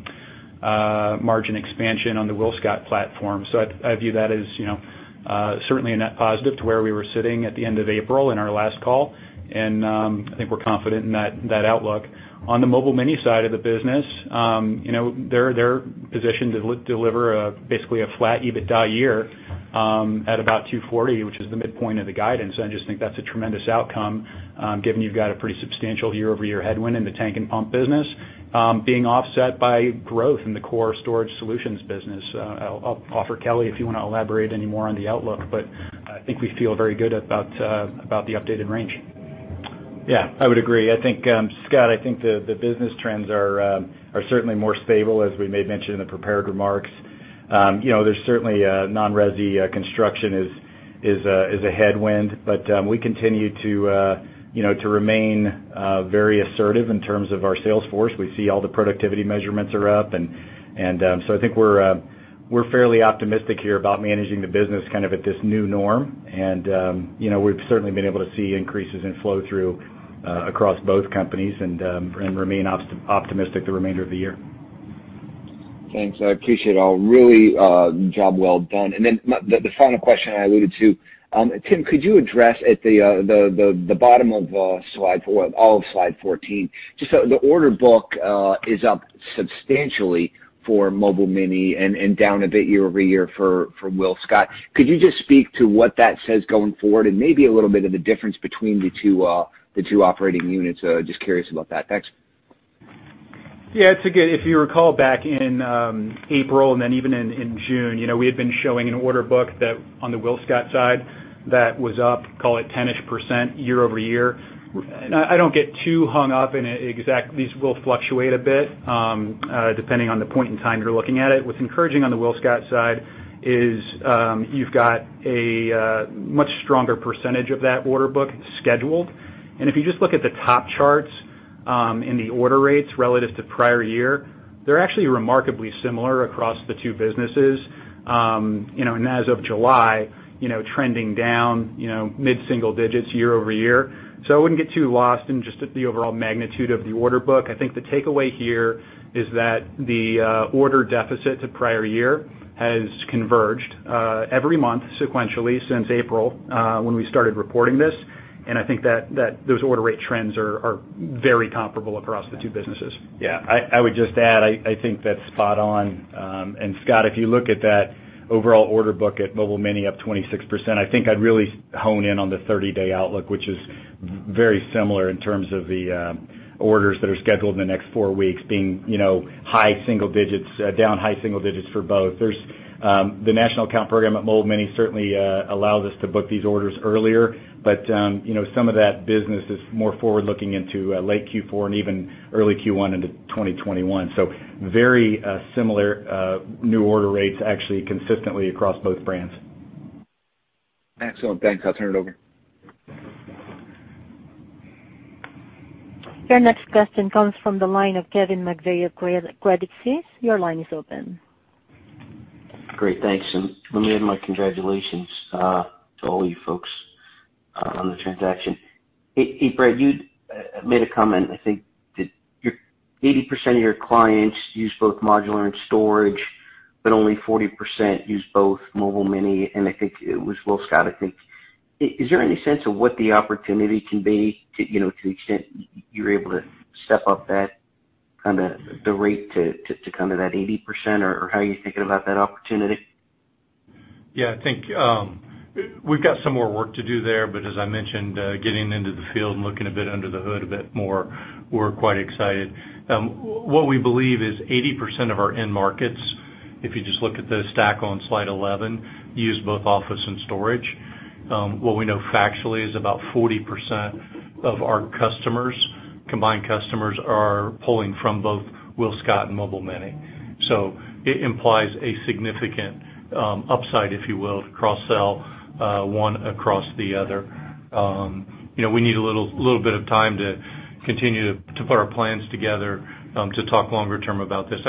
margin expansion on the WillScot platform. I view that as certainly a net positive to where we were sitting at the end of April in our last call, and I think we're confident in that outlook. On the Mobile Mini side of the business, they're positioned to deliver basically a flat EBITDA year at about $240 million, which is the midpoint of the guidance. I just think that's a tremendous outcome given you've got a pretty substantial year-over-year headwind in the Tank and Pump business, being offset by growth in the core storage solutions business. I'll offer Kelly if you want to elaborate any more on the outlook, but I think we feel very good about the updated range. Yeah, I would agree. I think, Scott, I think the business trends are certainly more stable, as we may have mentioned in the prepared remarks. There's certainly non-resi construction as a headwind, but we continue to remain very assertive in terms of our sales force. We see all the productivity measurements are up, and so I think we're fairly optimistic here about managing the business kind of at this new norm, and we've certainly been able to see increases in flow through across both companies and remain optimistic the remainder of the year. Thanks. I appreciate it all. Really job well done, and then the final question I alluded to, Tim, could you address at the bottom of all of slide 14? Just the order book is up substantially for Mobile Mini and down a bit year-over-year for WillScot. Could you just speak to what that says going forward and maybe a little bit of the difference between the two operating units? Just curious about that. Thanks. Yeah, it's good if you recall back in April and then even in June, we had been showing an order book on the WillScot side that was up, call it 10%-ish year-over-year. I don't get too hung up, and these will fluctuate a bit depending on the point in time you're looking at it. What's encouraging on the WillScot side is you've got a much stronger percentage of that order book scheduled. And if you just look at the top charts in the order rates relative to prior year, they're actually remarkably similar across the two businesses. And as of July, trending down mid-single digits% year-over-year. So I wouldn't get too lost in just the overall magnitude of the order book. I think the takeaway here is that the order deficit to prior year has converged every month sequentially since April when we started reporting this, and I think that those order rate trends are very comparable across the two businesses. Yeah, I would just add. I think that's spot on, and Scott, if you look at that overall order book at Mobile Mini up 26%, I think I'd really hone in on the 30-day outlook, which is very similar in terms of the orders that are scheduled in the next four weeks, being high single digits, down high single digits for both. The national account program at Mobile Mini certainly allows us to book these orders earlier, but some of that business is more forward-looking into late Q4 and even early Q1 into 2021. So very similar new order rates actually consistently across both brands. Excellent. Thanks. I'll turn it over. Your next question comes from the line of Kevin McVeigh of Credit Suisse. Your line is open. Great. Thanks, and let me add my congratulations to all you folks on the transaction. Hey, Brad, you made a comment. I think that 80% of your clients use both modular and storage, but only 40% use both Mobile Mini, and I think it was WillScot. I think, is there any sense of what the opportunity can be to the extent you're able to step up that kind of the rate to kind of that 80%, or how are you thinking about that opportunity? Yeah, I think we've got some more work to do there, but as I mentioned, getting into the field and looking a bit under the hood a bit more, we're quite excited. What we believe is 80% of our end markets, if you just look at the stack on slide 11, use both office and storage. What we know factually is about 40% of our combined customers are pulling from both WillScot and Mobile Mini. So it implies a significant upside, if you will, to cross-sell one across the other. We need a little bit of time to continue to put our plans together to talk longer term about this.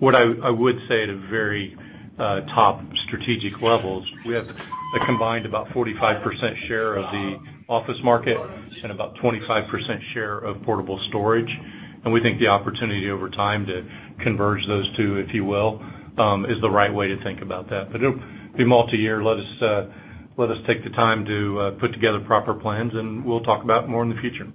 What I would say at a very top strategic level is we have a combined about 45% share of the office market and about 25% share of portable storage. And we think the opportunity over time to converge those two, if you will, is the right way to think about that. But it'll be multi-year. Let us take the time to put together proper plans, and we'll talk about it more in the future.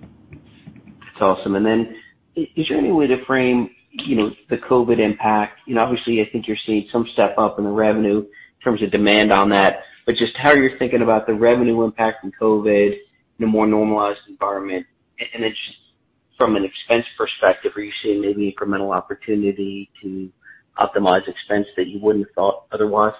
That's awesome, and then is there any way to frame the COVID impact? Obviously, I think you're seeing some step up in the revenue in terms of demand on that, but just how are you thinking about the revenue impact from COVID in a more normalized environment, and then from an expense perspective, are you seeing maybe incremental opportunity to optimize expense that you wouldn't have thought otherwise?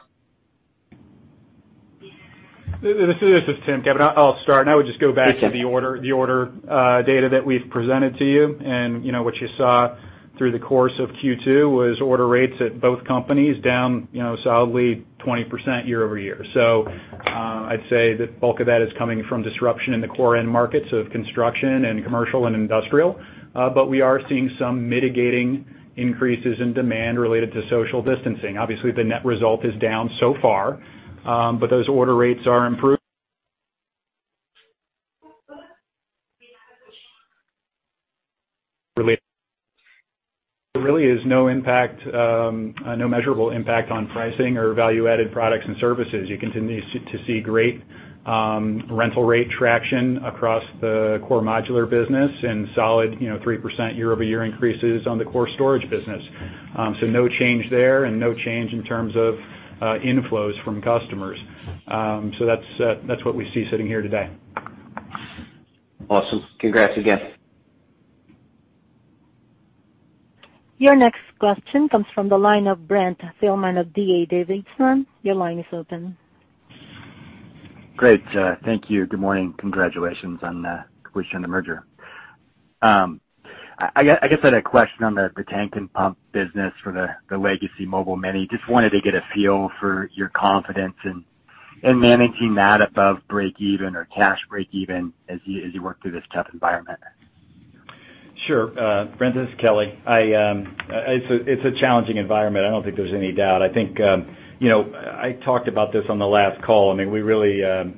This is Tim. I'll start and I would just go back to the order data that we've presented to you, and what you saw through the course of Q2 was order rates at both companies down solidly 20% year-over-year, so I'd say the bulk of that is coming from disruption in the core end markets of construction and commercial and industrial, but we are seeing some mitigating increases in demand related to social distancing. Obviously, the net result is down so far, but those order rates are improving. There really is no impact, no measurable impact on pricing or value-added products and services. You continue to see great rental rate traction across the core modular business and solid 3% year-over-year increases on the core storage business, so no change there and no change in terms of inflows from customers, so that's what we see sitting here today. Awesome. Congrats again. Your next question comes from the line of Brent Thielman of D.A. Davidson. Your line is open. Great. Thank you. Good morning. Congratulations on completion of the merger. I guess I had a question on the Tank and Pump business for the legacy Mobile Mini. Just wanted to get a feel for your confidence in managing that above break-even or cash break-even as you work through this tough environment. Sure. Brent, this is Kelly. It's a challenging environment. I don't think there's any doubt. I think I talked about this on the last call. I mean, we really have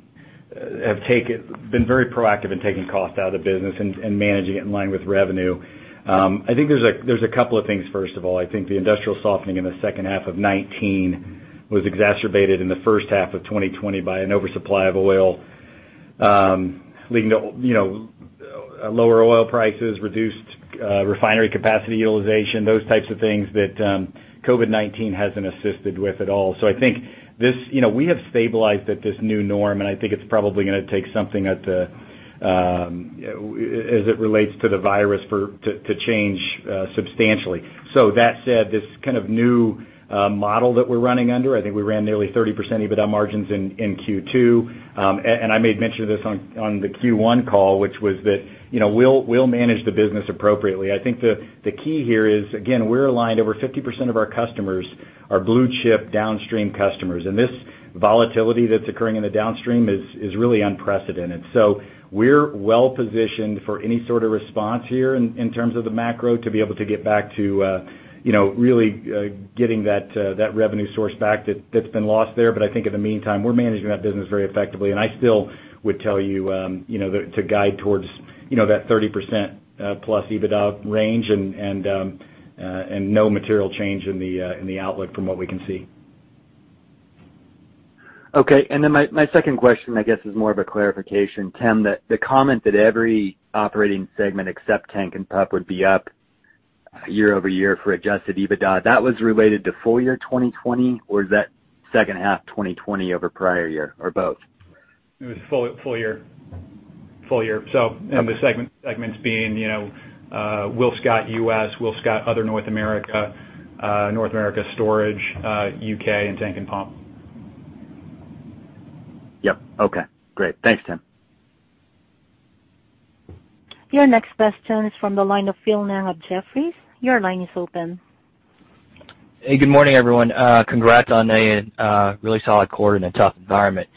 been very proactive in taking cost out of the business and managing it in line with revenue. I think there's a couple of things. First of all, I think the industrial softening in the second half of 2019 was exacerbated in the first half of 2020 by an oversupply of oil leading to lower oil prices, reduced refinery capacity utilization, those types of things that COVID-19 hasn't assisted with at all. So I think we have stabilized at this new norm, and I think it's probably going to take something as it relates to the virus to change substantially. So that said, this kind of new model that we're running under, I think we ran nearly 30% EBITDA margins in Q2. And I made mention of this on the Q1 call, which was that we'll manage the business appropriately. I think the key here is, again, we're aligned over 50% of our customers are blue chip downstream customers. And this volatility that's occurring in the downstream is really unprecedented. So we're well positioned for any sort of response here in terms of the macro to be able to get back to really getting that revenue source back that's been lost there. But I think in the meantime, we're managing that business very effectively. And I still would tell you to guide towards that 30%+ EBITDA range and no material change in the outlook from what we can see. Okay. And then my second question, I guess, is more of a clarification, Tim, that the comment that every operating segment except Tank and Pump would be up year-over-year for Adjusted EBITDA, that was related to full year 2020, or is that second half 2020 over prior year or both? It was full year. Full year. So in the segments being WillScot U.S., WillScot Other North America, North America Storage, U.K., and Tank and Pump. Yep. Okay. Great. Thanks, Tim. Your next question is from the line of Phil Ng at Jefferies. Your line is open. Hey, good morning, everyone. Congrats on a really solid quarter in a tough environment.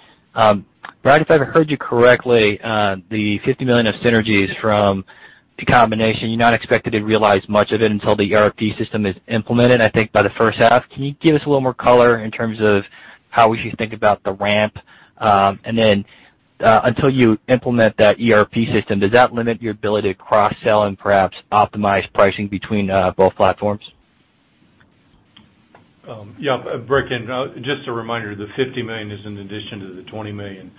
Brad, if I've heard you correctly, the $50 million of synergies from the combination, you're not expected to realize much of it until the ERP system is implemented, I think, by the first half. Can you give us a little more color in terms of how we should think about the ramp? And then until you implement that ERP system, does that limit your ability to cross-sell and perhaps optimize pricing between both platforms? Yeah. Just a reminder, the $50 million is in addition to the $20 million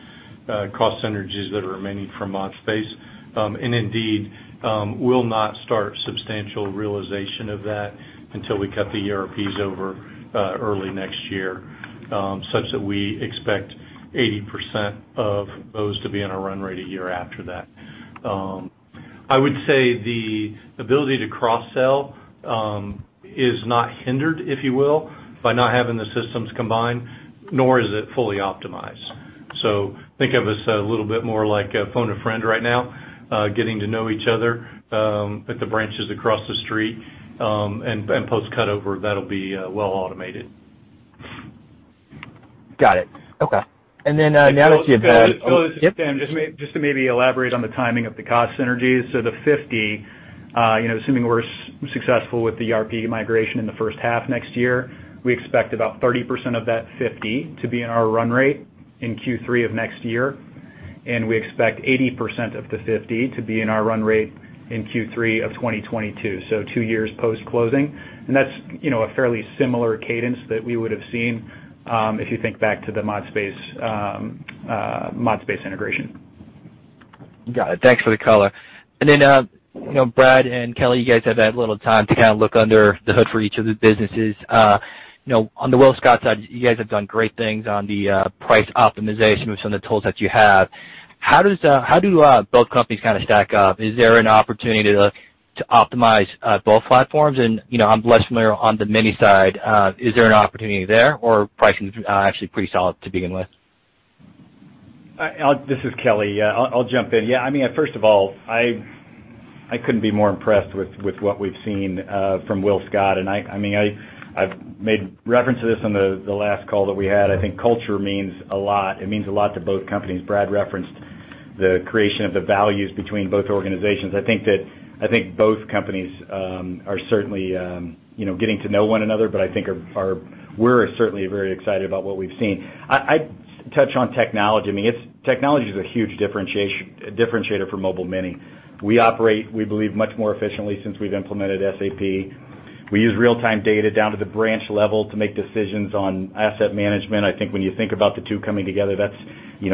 cost synergies that are remaining from ModSpace. Indeed, we'll not start substantial realization of that until we cut the ERPs over early next year, such that we expect 80% of those to be in our run rate a year after that. I would say the ability to cross-sell is not hindered, if you will, by not having the systems combined, nor is it fully optimized. Think of us a little bit more like a phone to friend right now, getting to know each other at the branches across the street and post-cutover. That'll be well automated. Got it. Okay. Just to maybe elaborate on the timing of the cost synergies, so the 50, assuming we're successful with the ERP migration in the first half next year, we expect about 30% of that 50 to be in our run rate in Q3 of next year, and we expect 80% of the 50 to be in our run rate in Q3 of 2022, so two years post-closing, and that's a fairly similar cadence that we would have seen if you think back to the ModSpace integration. Got it. Thanks for the color. And then, Brad and Kelly, you guys have that little time to kind of look under the hood for each of the businesses. On the WillScot side, you guys have done great things on the price optimization with some of the tools that you have. How do both companies kind of stack up? Is there an opportunity to optimize both platforms? And I'm less familiar on the Mini side. Is there an opportunity there, or pricing is actually pretty solid to begin with? This is Kelly. I'll jump in. Yeah. I mean, first of all, I couldn't be more impressed with what we've seen from WillScot, and I mean, I've made reference to this on the last call that we had. I think culture means a lot. It means a lot to both companies. Brad referenced the creation of the values between both organizations. I think that both companies are certainly getting to know one another, but I think we're certainly very excited about what we've seen. I touch on technology. I mean, technology is a huge differentiator for Mobile Mini. We operate, we believe, much more efficiently since we've implemented SAP. We use real-time data down to the branch level to make decisions on asset management. I think when you think about the two coming together,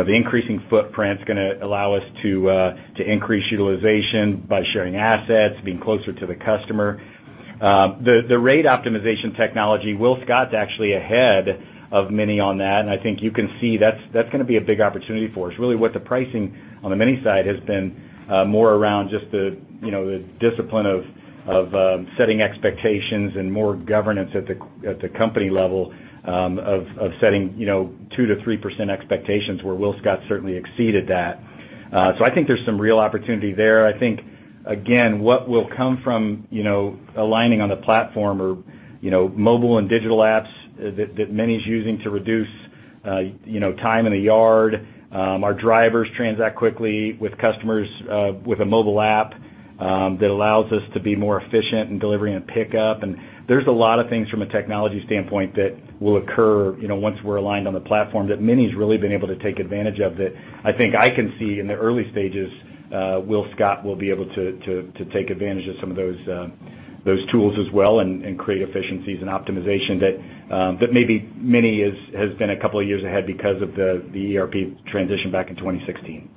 the increasing footprint is going to allow us to increase utilization by sharing assets, being closer to the customer. The rate optimization technology, WillScot's actually ahead of Mini on that, and I think you can see that's going to be a big opportunity for us. Really, what the pricing on the Mini side has been more around just the discipline of setting expectations and more governance at the company level of setting 2%-3% expectations, where WillScot certainly exceeded that, so I think there's some real opportunity there. I think, again, what will come from aligning on the platform or mobile and digital apps that Mini is using to reduce time in the yard, our drivers transact quickly with customers with a mobile app that allows us to be more efficient in delivering a pickup. There's a lot of things from a technology standpoint that will occur once we're aligned on the platform that Mini has really been able to take advantage of that I think I can see in the early stages. WillScot will be able to take advantage of some of those tools as well and create efficiencies and optimization that maybe Mini has been a couple of years ahead because of the ERP transition back in 2016.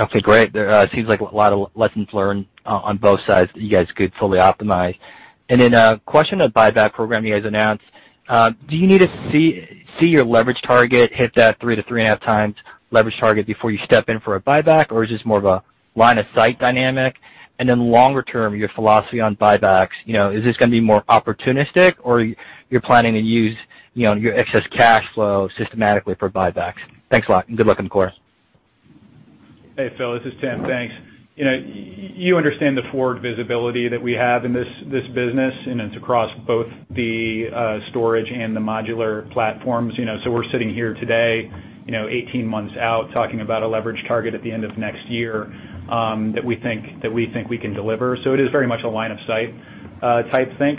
Okay. Great. It seems like a lot of lessons learned on both sides that you guys could fully optimize. And then a question of buyback program you guys announced. Do you need to see your leverage target, hit that three to three and a half times leverage target before you step in for a buyback, or is this more of a line of sight dynamic? And then longer-term, your philosophy on buybacks, is this going to be more opportunistic, or you're planning to use your excess cash flow systematically for buybacks? Thanks a lot. And good luck on the quarter. Hey, Phil, this is Tim. Thanks. You understand the forward visibility that we have in this business, and it's across both the storage and the modular platforms. So we're sitting here today, 18 months out, talking about a leverage target at the end of next year that we think we can deliver. So it is very much a line of sight type thing,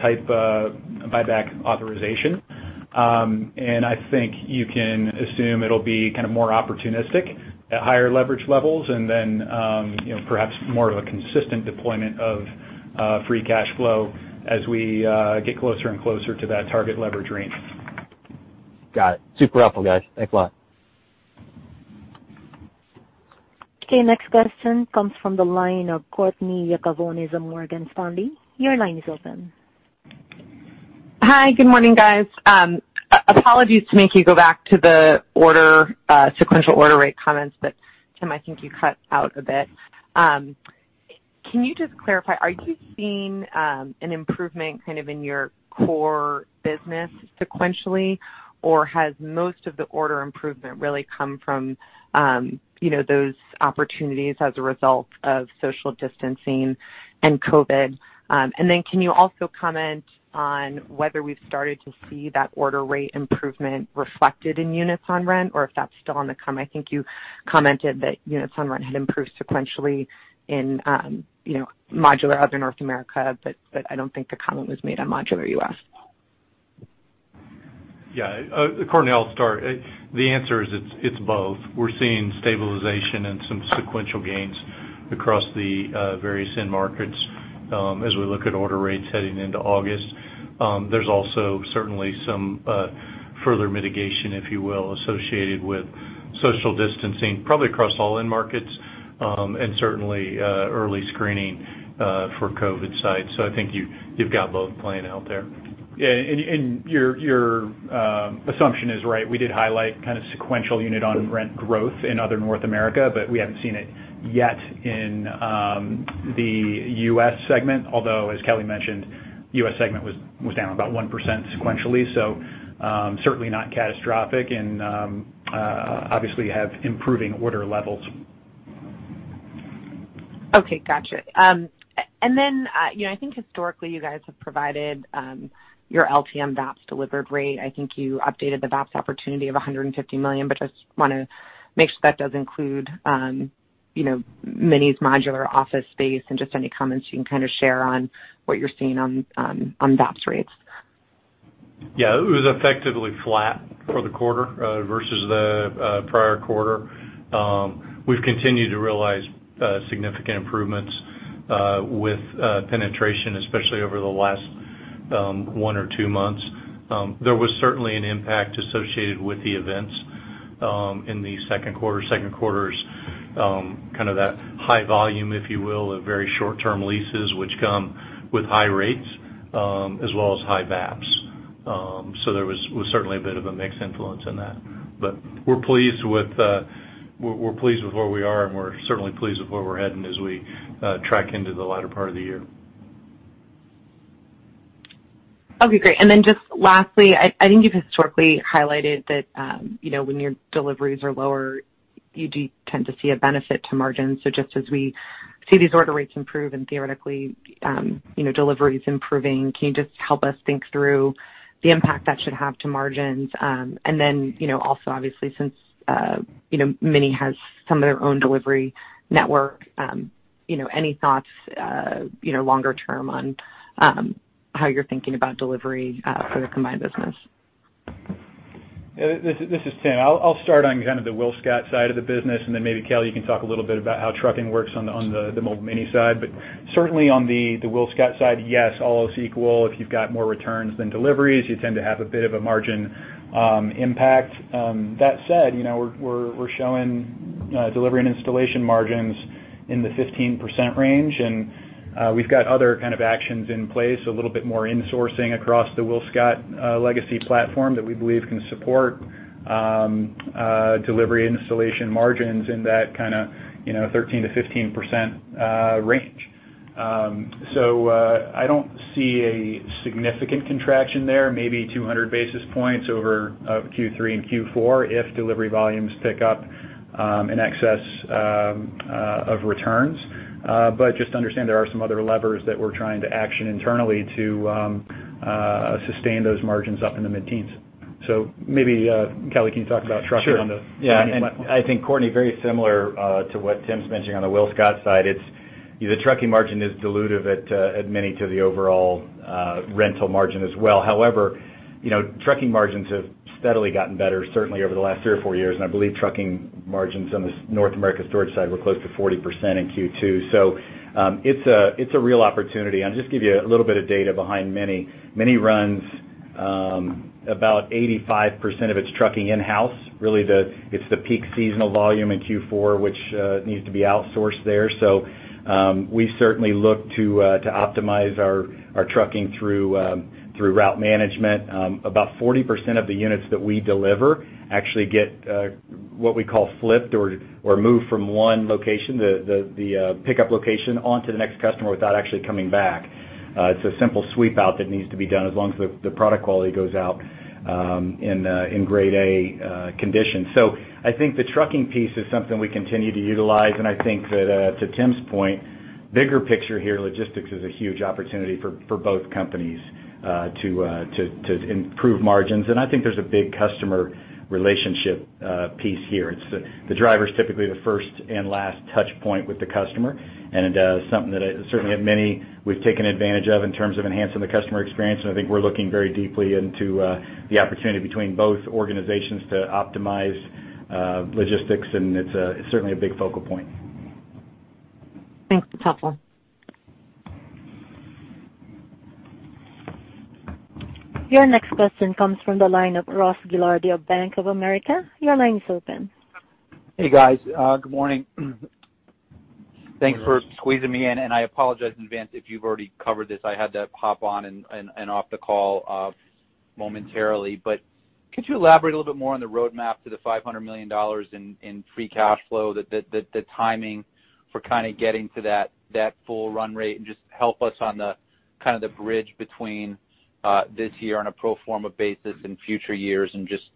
type buyback authorization. And I think you can assume it'll be kind of more opportunistic at higher leverage levels and then perhaps more of a consistent deployment of free cash flow as we get closer and closer to that target leverage range. Got it. Super helpful, guys. Thanks a lot. Okay. Next question comes from the line of Courtney Yakavonis of Morgan Stanley. Your line is open. Hi. Good morning, guys. Apologies to make you go back to the sequential order rate comments, but Tim, I think you cut out a bit. Can you just clarify, are you seeing an improvement kind of in your core business sequentially, or has most of the order improvement really come from those opportunities as a result of social distancing and COVID? And then can you also comment on whether we've started to see that order rate improvement reflected in units on rent, or if that's still on the come? I think you commented that units on rent had improved sequentially in modular other North America, but I don't think the comment was made on modular U.S. Yeah. Courtney, I'll start. The answer is it's both. We're seeing stabilization and some sequential gains across the various end markets as we look at order rates heading into August. There's also certainly some further mitigation, if you will, associated with social distancing probably across all end markets and certainly early screening for COVID sites. So I think you've got both playing out there. Yeah. And your assumption is right. We did highlight kind of sequential unit on rent growth in other North America, but we haven't seen it yet in the U.S. segment, although, as Kelly mentioned, U.S. segment was down about 1% sequentially. So certainly not catastrophic and obviously have improving order levels. Okay. Got you. And then I think historically you guys have provided your LTM VAPS delivered rate. I think you updated the VAPS opportunity of $150 million, but just want to make sure that does include Mini's modular office space and just any comments you can kind of share on what you're seeing on VAPS rates. Yeah. It was effectively flat for the quarter versus the prior quarter. We've continued to realize significant improvements with penetration, especially over the last one or two months. There was certainly an impact associated with the events in the second quarter. Second quarter is kind of that high volume, if you will, of very short-term leases which come with high rates as well as high VAPS. So there was certainly a bit of a mixed influence in that. But we're pleased with where we are, and we're certainly pleased with where we're heading as we track into the latter part of the year. Okay. Great. And then just lastly, I think you've historically highlighted that when your deliveries are lower, you do tend to see a benefit to margins. So just as we see these order rates improve and theoretically deliveries improving, can you just help us think through the impact that should have to margins? And then also, obviously, since Mini has some of their own delivery network, any thoughts longer-term on how you're thinking about delivery for the combined business? This is Tim. I'll start on kind of the WillScot side of the business, and then maybe Kelly, you can talk a little bit about how trucking works on the Mobile Mini side, but certainly on the WillScot side, yes, almost equal. If you've got more returns than deliveries, you tend to have a bit of a margin impact. That said, we're showing delivery and installation margins in the 15% range, and we've got other kind of actions in place, a little bit more insourcing across the WillScot legacy platform that we believe can support delivery installation margins in that kind of 13%-15% range, so I don't see a significant contraction there, maybe 200 basis points over Q3 and Q4 if delivery volumes pick up in excess of returns. But just understand there are some other levers that we're trying to action internally to sustain those margins up in the mid-teens. So maybe Kelly, can you talk about trucking on the Mini? Sure. Yeah. I think, Courtney, very similar to what Tim's mentioning on the WillScot side, the trucking margin is dilutive at Mini to the overall rental margin as well. However, trucking margins have steadily gotten better, certainly over the last three or four years, and I believe trucking margins on the North America Storage side were close to 40% in Q2. So it's a real opportunity, and I'll just give you a little bit of data behind Mini. Mini runs about 85% of its trucking in-house. Really, it's the peak seasonal volume in Q4, which needs to be outsourced there. So we certainly look to optimize our trucking through route management. About 40% of the units that we deliver actually get what we call flipped or move from one location, the pickup location, onto the next customer without actually coming back. It's a simple sweep-out that needs to be done as long as the product quality goes out in grade A condition. So I think the trucking piece is something we continue to utilize. And I think that to Tim's point, bigger picture here, logistics is a huge opportunity for both companies to improve margins. And I think there's a big customer relationship piece here. The driver's typically the first and last touchpoint with the customer, and something that certainly at Mini we've taken advantage of in terms of enhancing the customer experience. And I think we're looking very deeply into the opportunity between both organizations to optimize logistics, and it's certainly a big focal point. Thanks. It's helpful. Your next question comes from the line of Ross Gilardi of Bank of America. Your line is open. Hey, guys. Good morning. Thanks for squeezing me in. And I apologize in advance if you've already covered this. I had to hop on and off the call momentarily. But could you elaborate a little bit more on the roadmap to the $500 million in free cash flow, the timing for kind of getting to that full run rate, and just help us on kind of the bridge between this year on a pro forma basis and future years and just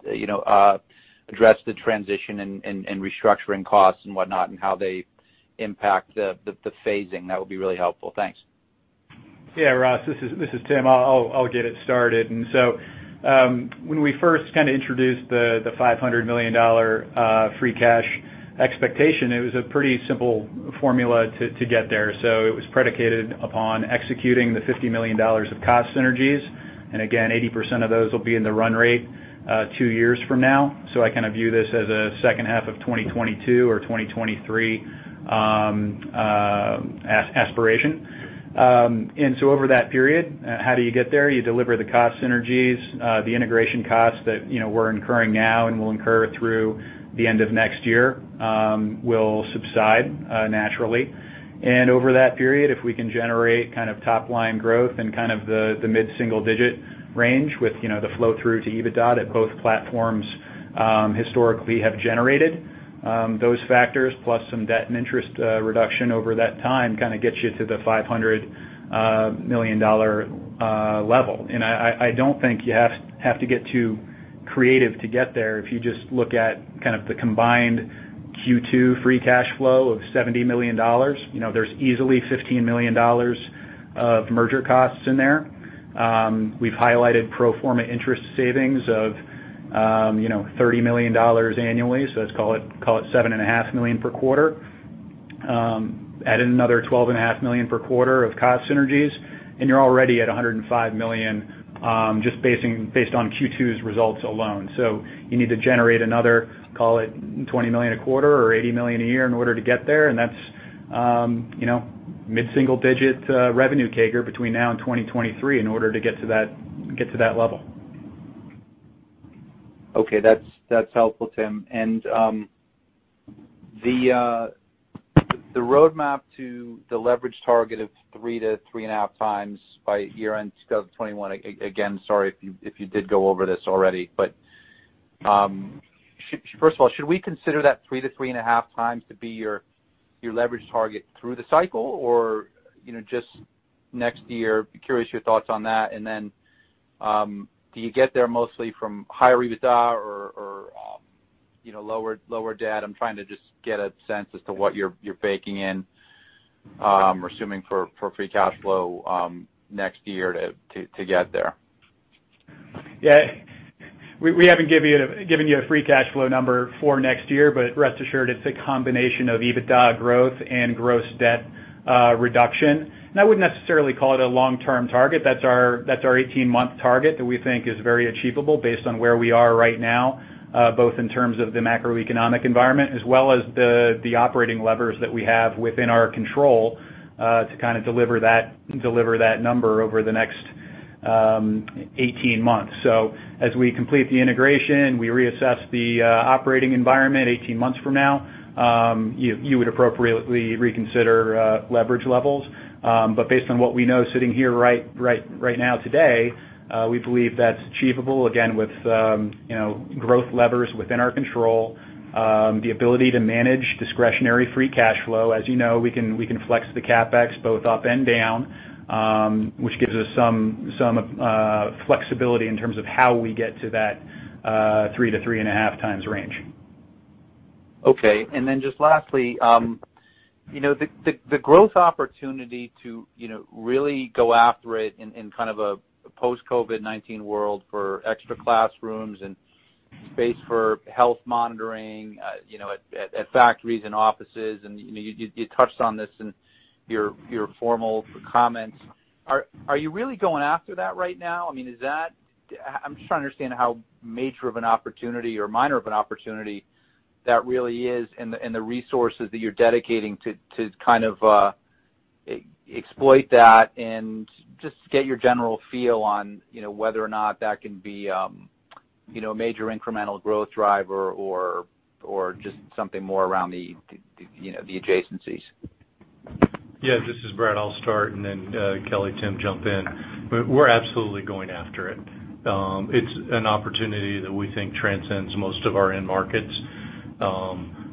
address the transition and restructuring costs and whatnot and how they impact the phasing? That would be really helpful. Thanks. Yeah. Ross, this is Tim. I'll get it started. And so when we first kind of introduced the $500 million free cash expectation, it was a pretty simple formula to get there. So it was predicated upon executing the $50 million of cost synergies. And again, 80% of those will be in the run rate two years from now. So I kind of view this as a second half of 2022 or 2023 aspiration. And so over that period, how do you get there? You deliver the cost synergies. The integration costs that we're incurring now and will incur through the end of next year will subside naturally. And over that period, if we can generate kind of top-line growth and kind of the mid-single-digit range with the flow-through to EBITDA that both platforms historically have generated, those factors plus some debt and interest reduction over that time kind of gets you to the $500 million level. And I don't think you have to get too creative to get there. If you just look at kind of the combined Q2 free cash flow of $70 million, there's easily $15 million of merger costs in there. We've highlighted pro forma interest savings of $30 million annually. So let's call it $7.5 million per quarter, adding another $12.5 million per quarter of cost synergies. And you're already at $105 million just based on Q2's results alone. So you need to generate another, call it $20 million a quarter or $80 million a year in order to get there. That's mid-single-digit revenue CAGR between now and 2023 in order to get to that level. Okay. That's helpful, Tim. And the roadmap to the leverage target of 3x-3.5x by year-end 2021, again, sorry if you did go over this already. But first of all, should we consider that three to three and a half times to be your leverage target through the cycle or just next year? Curious your thoughts on that. And then do you get there mostly from higher EBITDA or lower debt? I'm trying to just get a sense as to what you're baking in or assuming for free cash flow next year to get there. Yeah. We haven't given you a free cash flow number for next year, but rest assured it's a combination of EBITDA growth and gross debt reduction, and I wouldn't necessarily call it a long-term target. That's our 18-month target that we think is very achievable based on where we are right now, both in terms of the macroeconomic environment as well as the operating levers that we have within our control to kind of deliver that number over the next 18 months, so as we complete the integration, we reassess the operating environment 18 months from now, you would appropriately reconsider leverage levels, but based on what we know sitting here right now today, we believe that's achievable, again, with growth levers within our control, the ability to manage discretionary free cash flow. As you know, we can flex the CapEx both up and down, which gives us some flexibility in terms of how we get to that 3x-3.5x range. Okay. And then just lastly, the growth opportunity to really go after it in kind of a post-COVID-19 world for extra classrooms and space for health monitoring at factories and offices. And you touched on this in your formal comments. Are you really going after that right now? I mean, is that, I'm just trying to understand how major of an opportunity or minor of an opportunity that really is and the resources that you're dedicating to kind of exploit that and just get your general feel on whether or not that can be a major incremental growth driver or just something more around the adjacencies? Yeah. This is Brad. I'll start, and then Kelly and Tim jump in. We're absolutely going after it. It's an opportunity that we think transcends most of our end markets.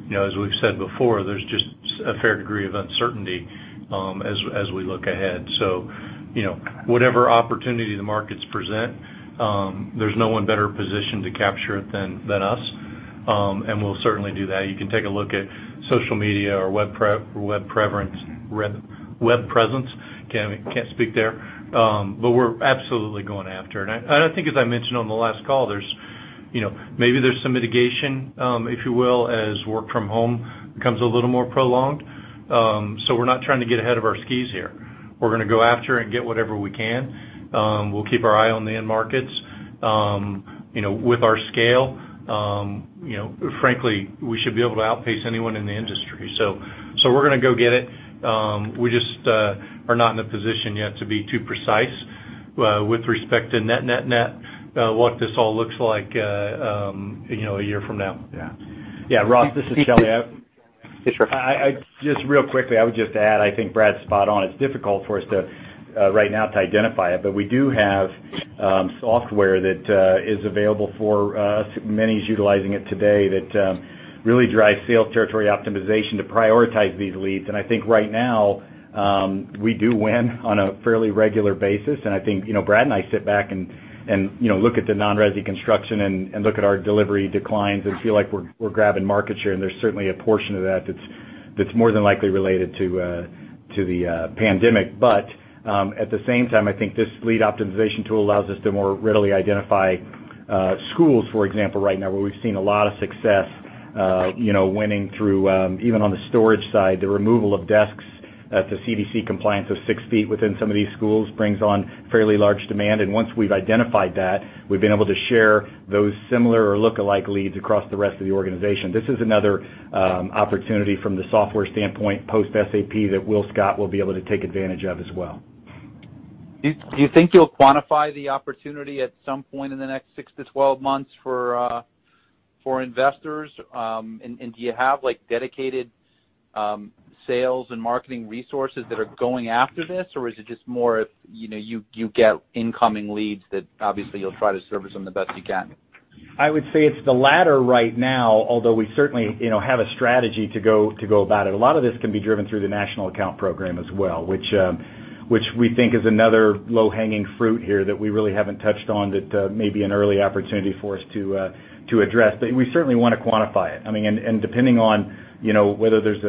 As we've said before, there's just a fair degree of uncertainty as we look ahead. So whatever opportunity the markets present, there's no one better positioned to capture it than us. And we'll certainly do that. You can take a look at social media or web presence. Can't speak there. But we're absolutely going after it. And I think, as I mentioned on the last call, maybe there's some mitigation, if you will, as work from home becomes a little more prolonged. So we're not trying to get ahead of our skis here. We're going to go after it and get whatever we can. We'll keep our eye on the end markets. With our scale, frankly, we should be able to outpace anyone in the industry. So we're going to go get it. We just are not in a position yet to be too precise with respect to net, net, net what this all looks like a year from now. Yeah. Yeah. Ross, this is Kelly. Just real quickly, I would just add, I think Brad's spot on. It's difficult for us right now to identify it, but we do have software that is available for us. Mini's utilizing it today that really drives sales territory optimization to prioritize these leads. And I think right now we do win on a fairly regular basis. And I think Brad and I sit back and look at the non-resi construction and look at our delivery declines and feel like we're grabbing market share. And there's certainly a portion of that that's more than likely related to the pandemic. But at the same time, I think this lead optimization tool allows us to more readily identify schools, for example, right now where we've seen a lot of success winning through even on the storage side. The removal of desks at the CDC compliance of six feet within some of these schools brings on fairly large demand, and once we've identified that, we've been able to share those similar or lookalike leads across the rest of the organization. This is another opportunity from the software standpoint post-SAP that WillScot will be able to take advantage of as well. Do you think you'll quantify the opportunity at some point in the next six to 12 months for investors? And do you have dedicated sales and marketing resources that are going after this, or is it just more if you get incoming leads that obviously you'll try to service them the best you can? I would say it's the latter right now, although we certainly have a strategy to go about it. A lot of this can be driven through the National Account Program as well, which we think is another low-hanging fruit here that we really haven't touched on that may be an early opportunity for us to address. But we certainly want to quantify it. I mean, and depending on whether there's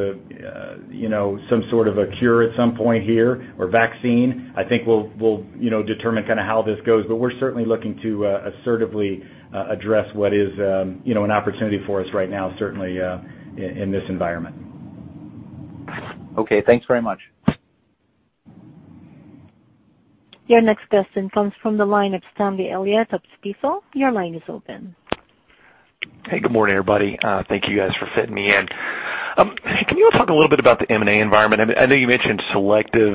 some sort of a cure at some point here or vaccine, I think we'll determine kind of how this goes. But we're certainly looking to assertively address what is an opportunity for us right now, certainly in this environment. Okay. Thanks very much. Your next question comes from the line of Stanley Elliott of Stifel. Your line is open. Hey, good morning, everybody. Thank you, guys, for fitting me in. Can you talk a little bit about the M&A environment? I know you mentioned selective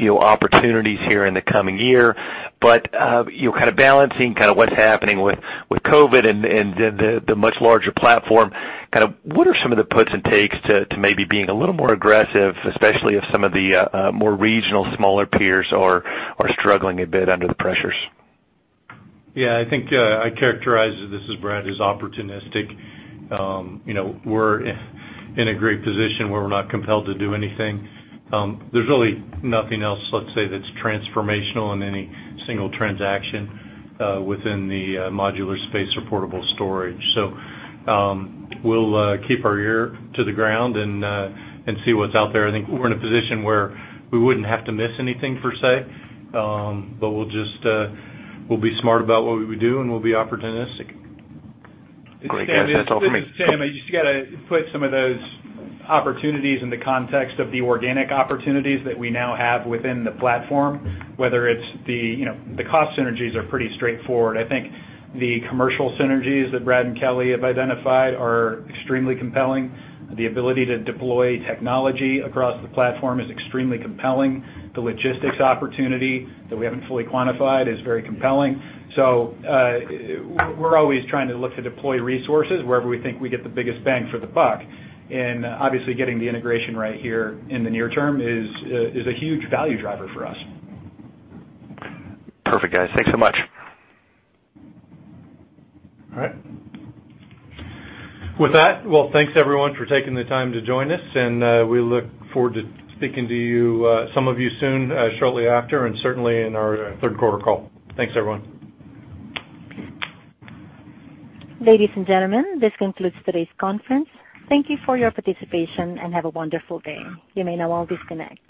opportunities here in the coming year, but kind of balancing kind of what's happening with COVID and the much larger platform, kind of what are some of the puts and takes to maybe being a little more aggressive, especially if some of the more regional smaller peers are struggling a bit under the pressures? Yeah. I think I characterize, this is Brad, as opportunistic. We're in a great position where we're not compelled to do anything. There's really nothing else, let's say, that's transformational in any single transaction within the modular space or portable storage. So we'll keep our ear to the ground and see what's out there. I think we're in a position where we wouldn't have to miss anything per se, but we'll be smart about what we do, and we'll be opportunistic. Great. That's all for me. Stan, I just got to put some of those opportunities in the context of the organic opportunities that we now have within the platform. Whether it's the cost synergies are pretty straightforward. I think the commercial synergies that Brad and Kelly have identified are extremely compelling. The ability to deploy technology across the platform is extremely compelling. The logistics opportunity that we haven't fully quantified is very compelling, so we're always trying to look to deploy resources wherever we think we get the biggest bang for the buck, and obviously, getting the integration right here in the near term is a huge value driver for us. Perfect, guys. Thanks so much. All right. With that, well, thanks, everyone, for taking the time to join us, and we look forward to speaking to some of you soon, shortly after, and certainly in our third-quarter call. Thanks, everyone. Ladies and gentlemen, this concludes today's conference. Thank you for your participation and have a wonderful day. You may now all disconnect.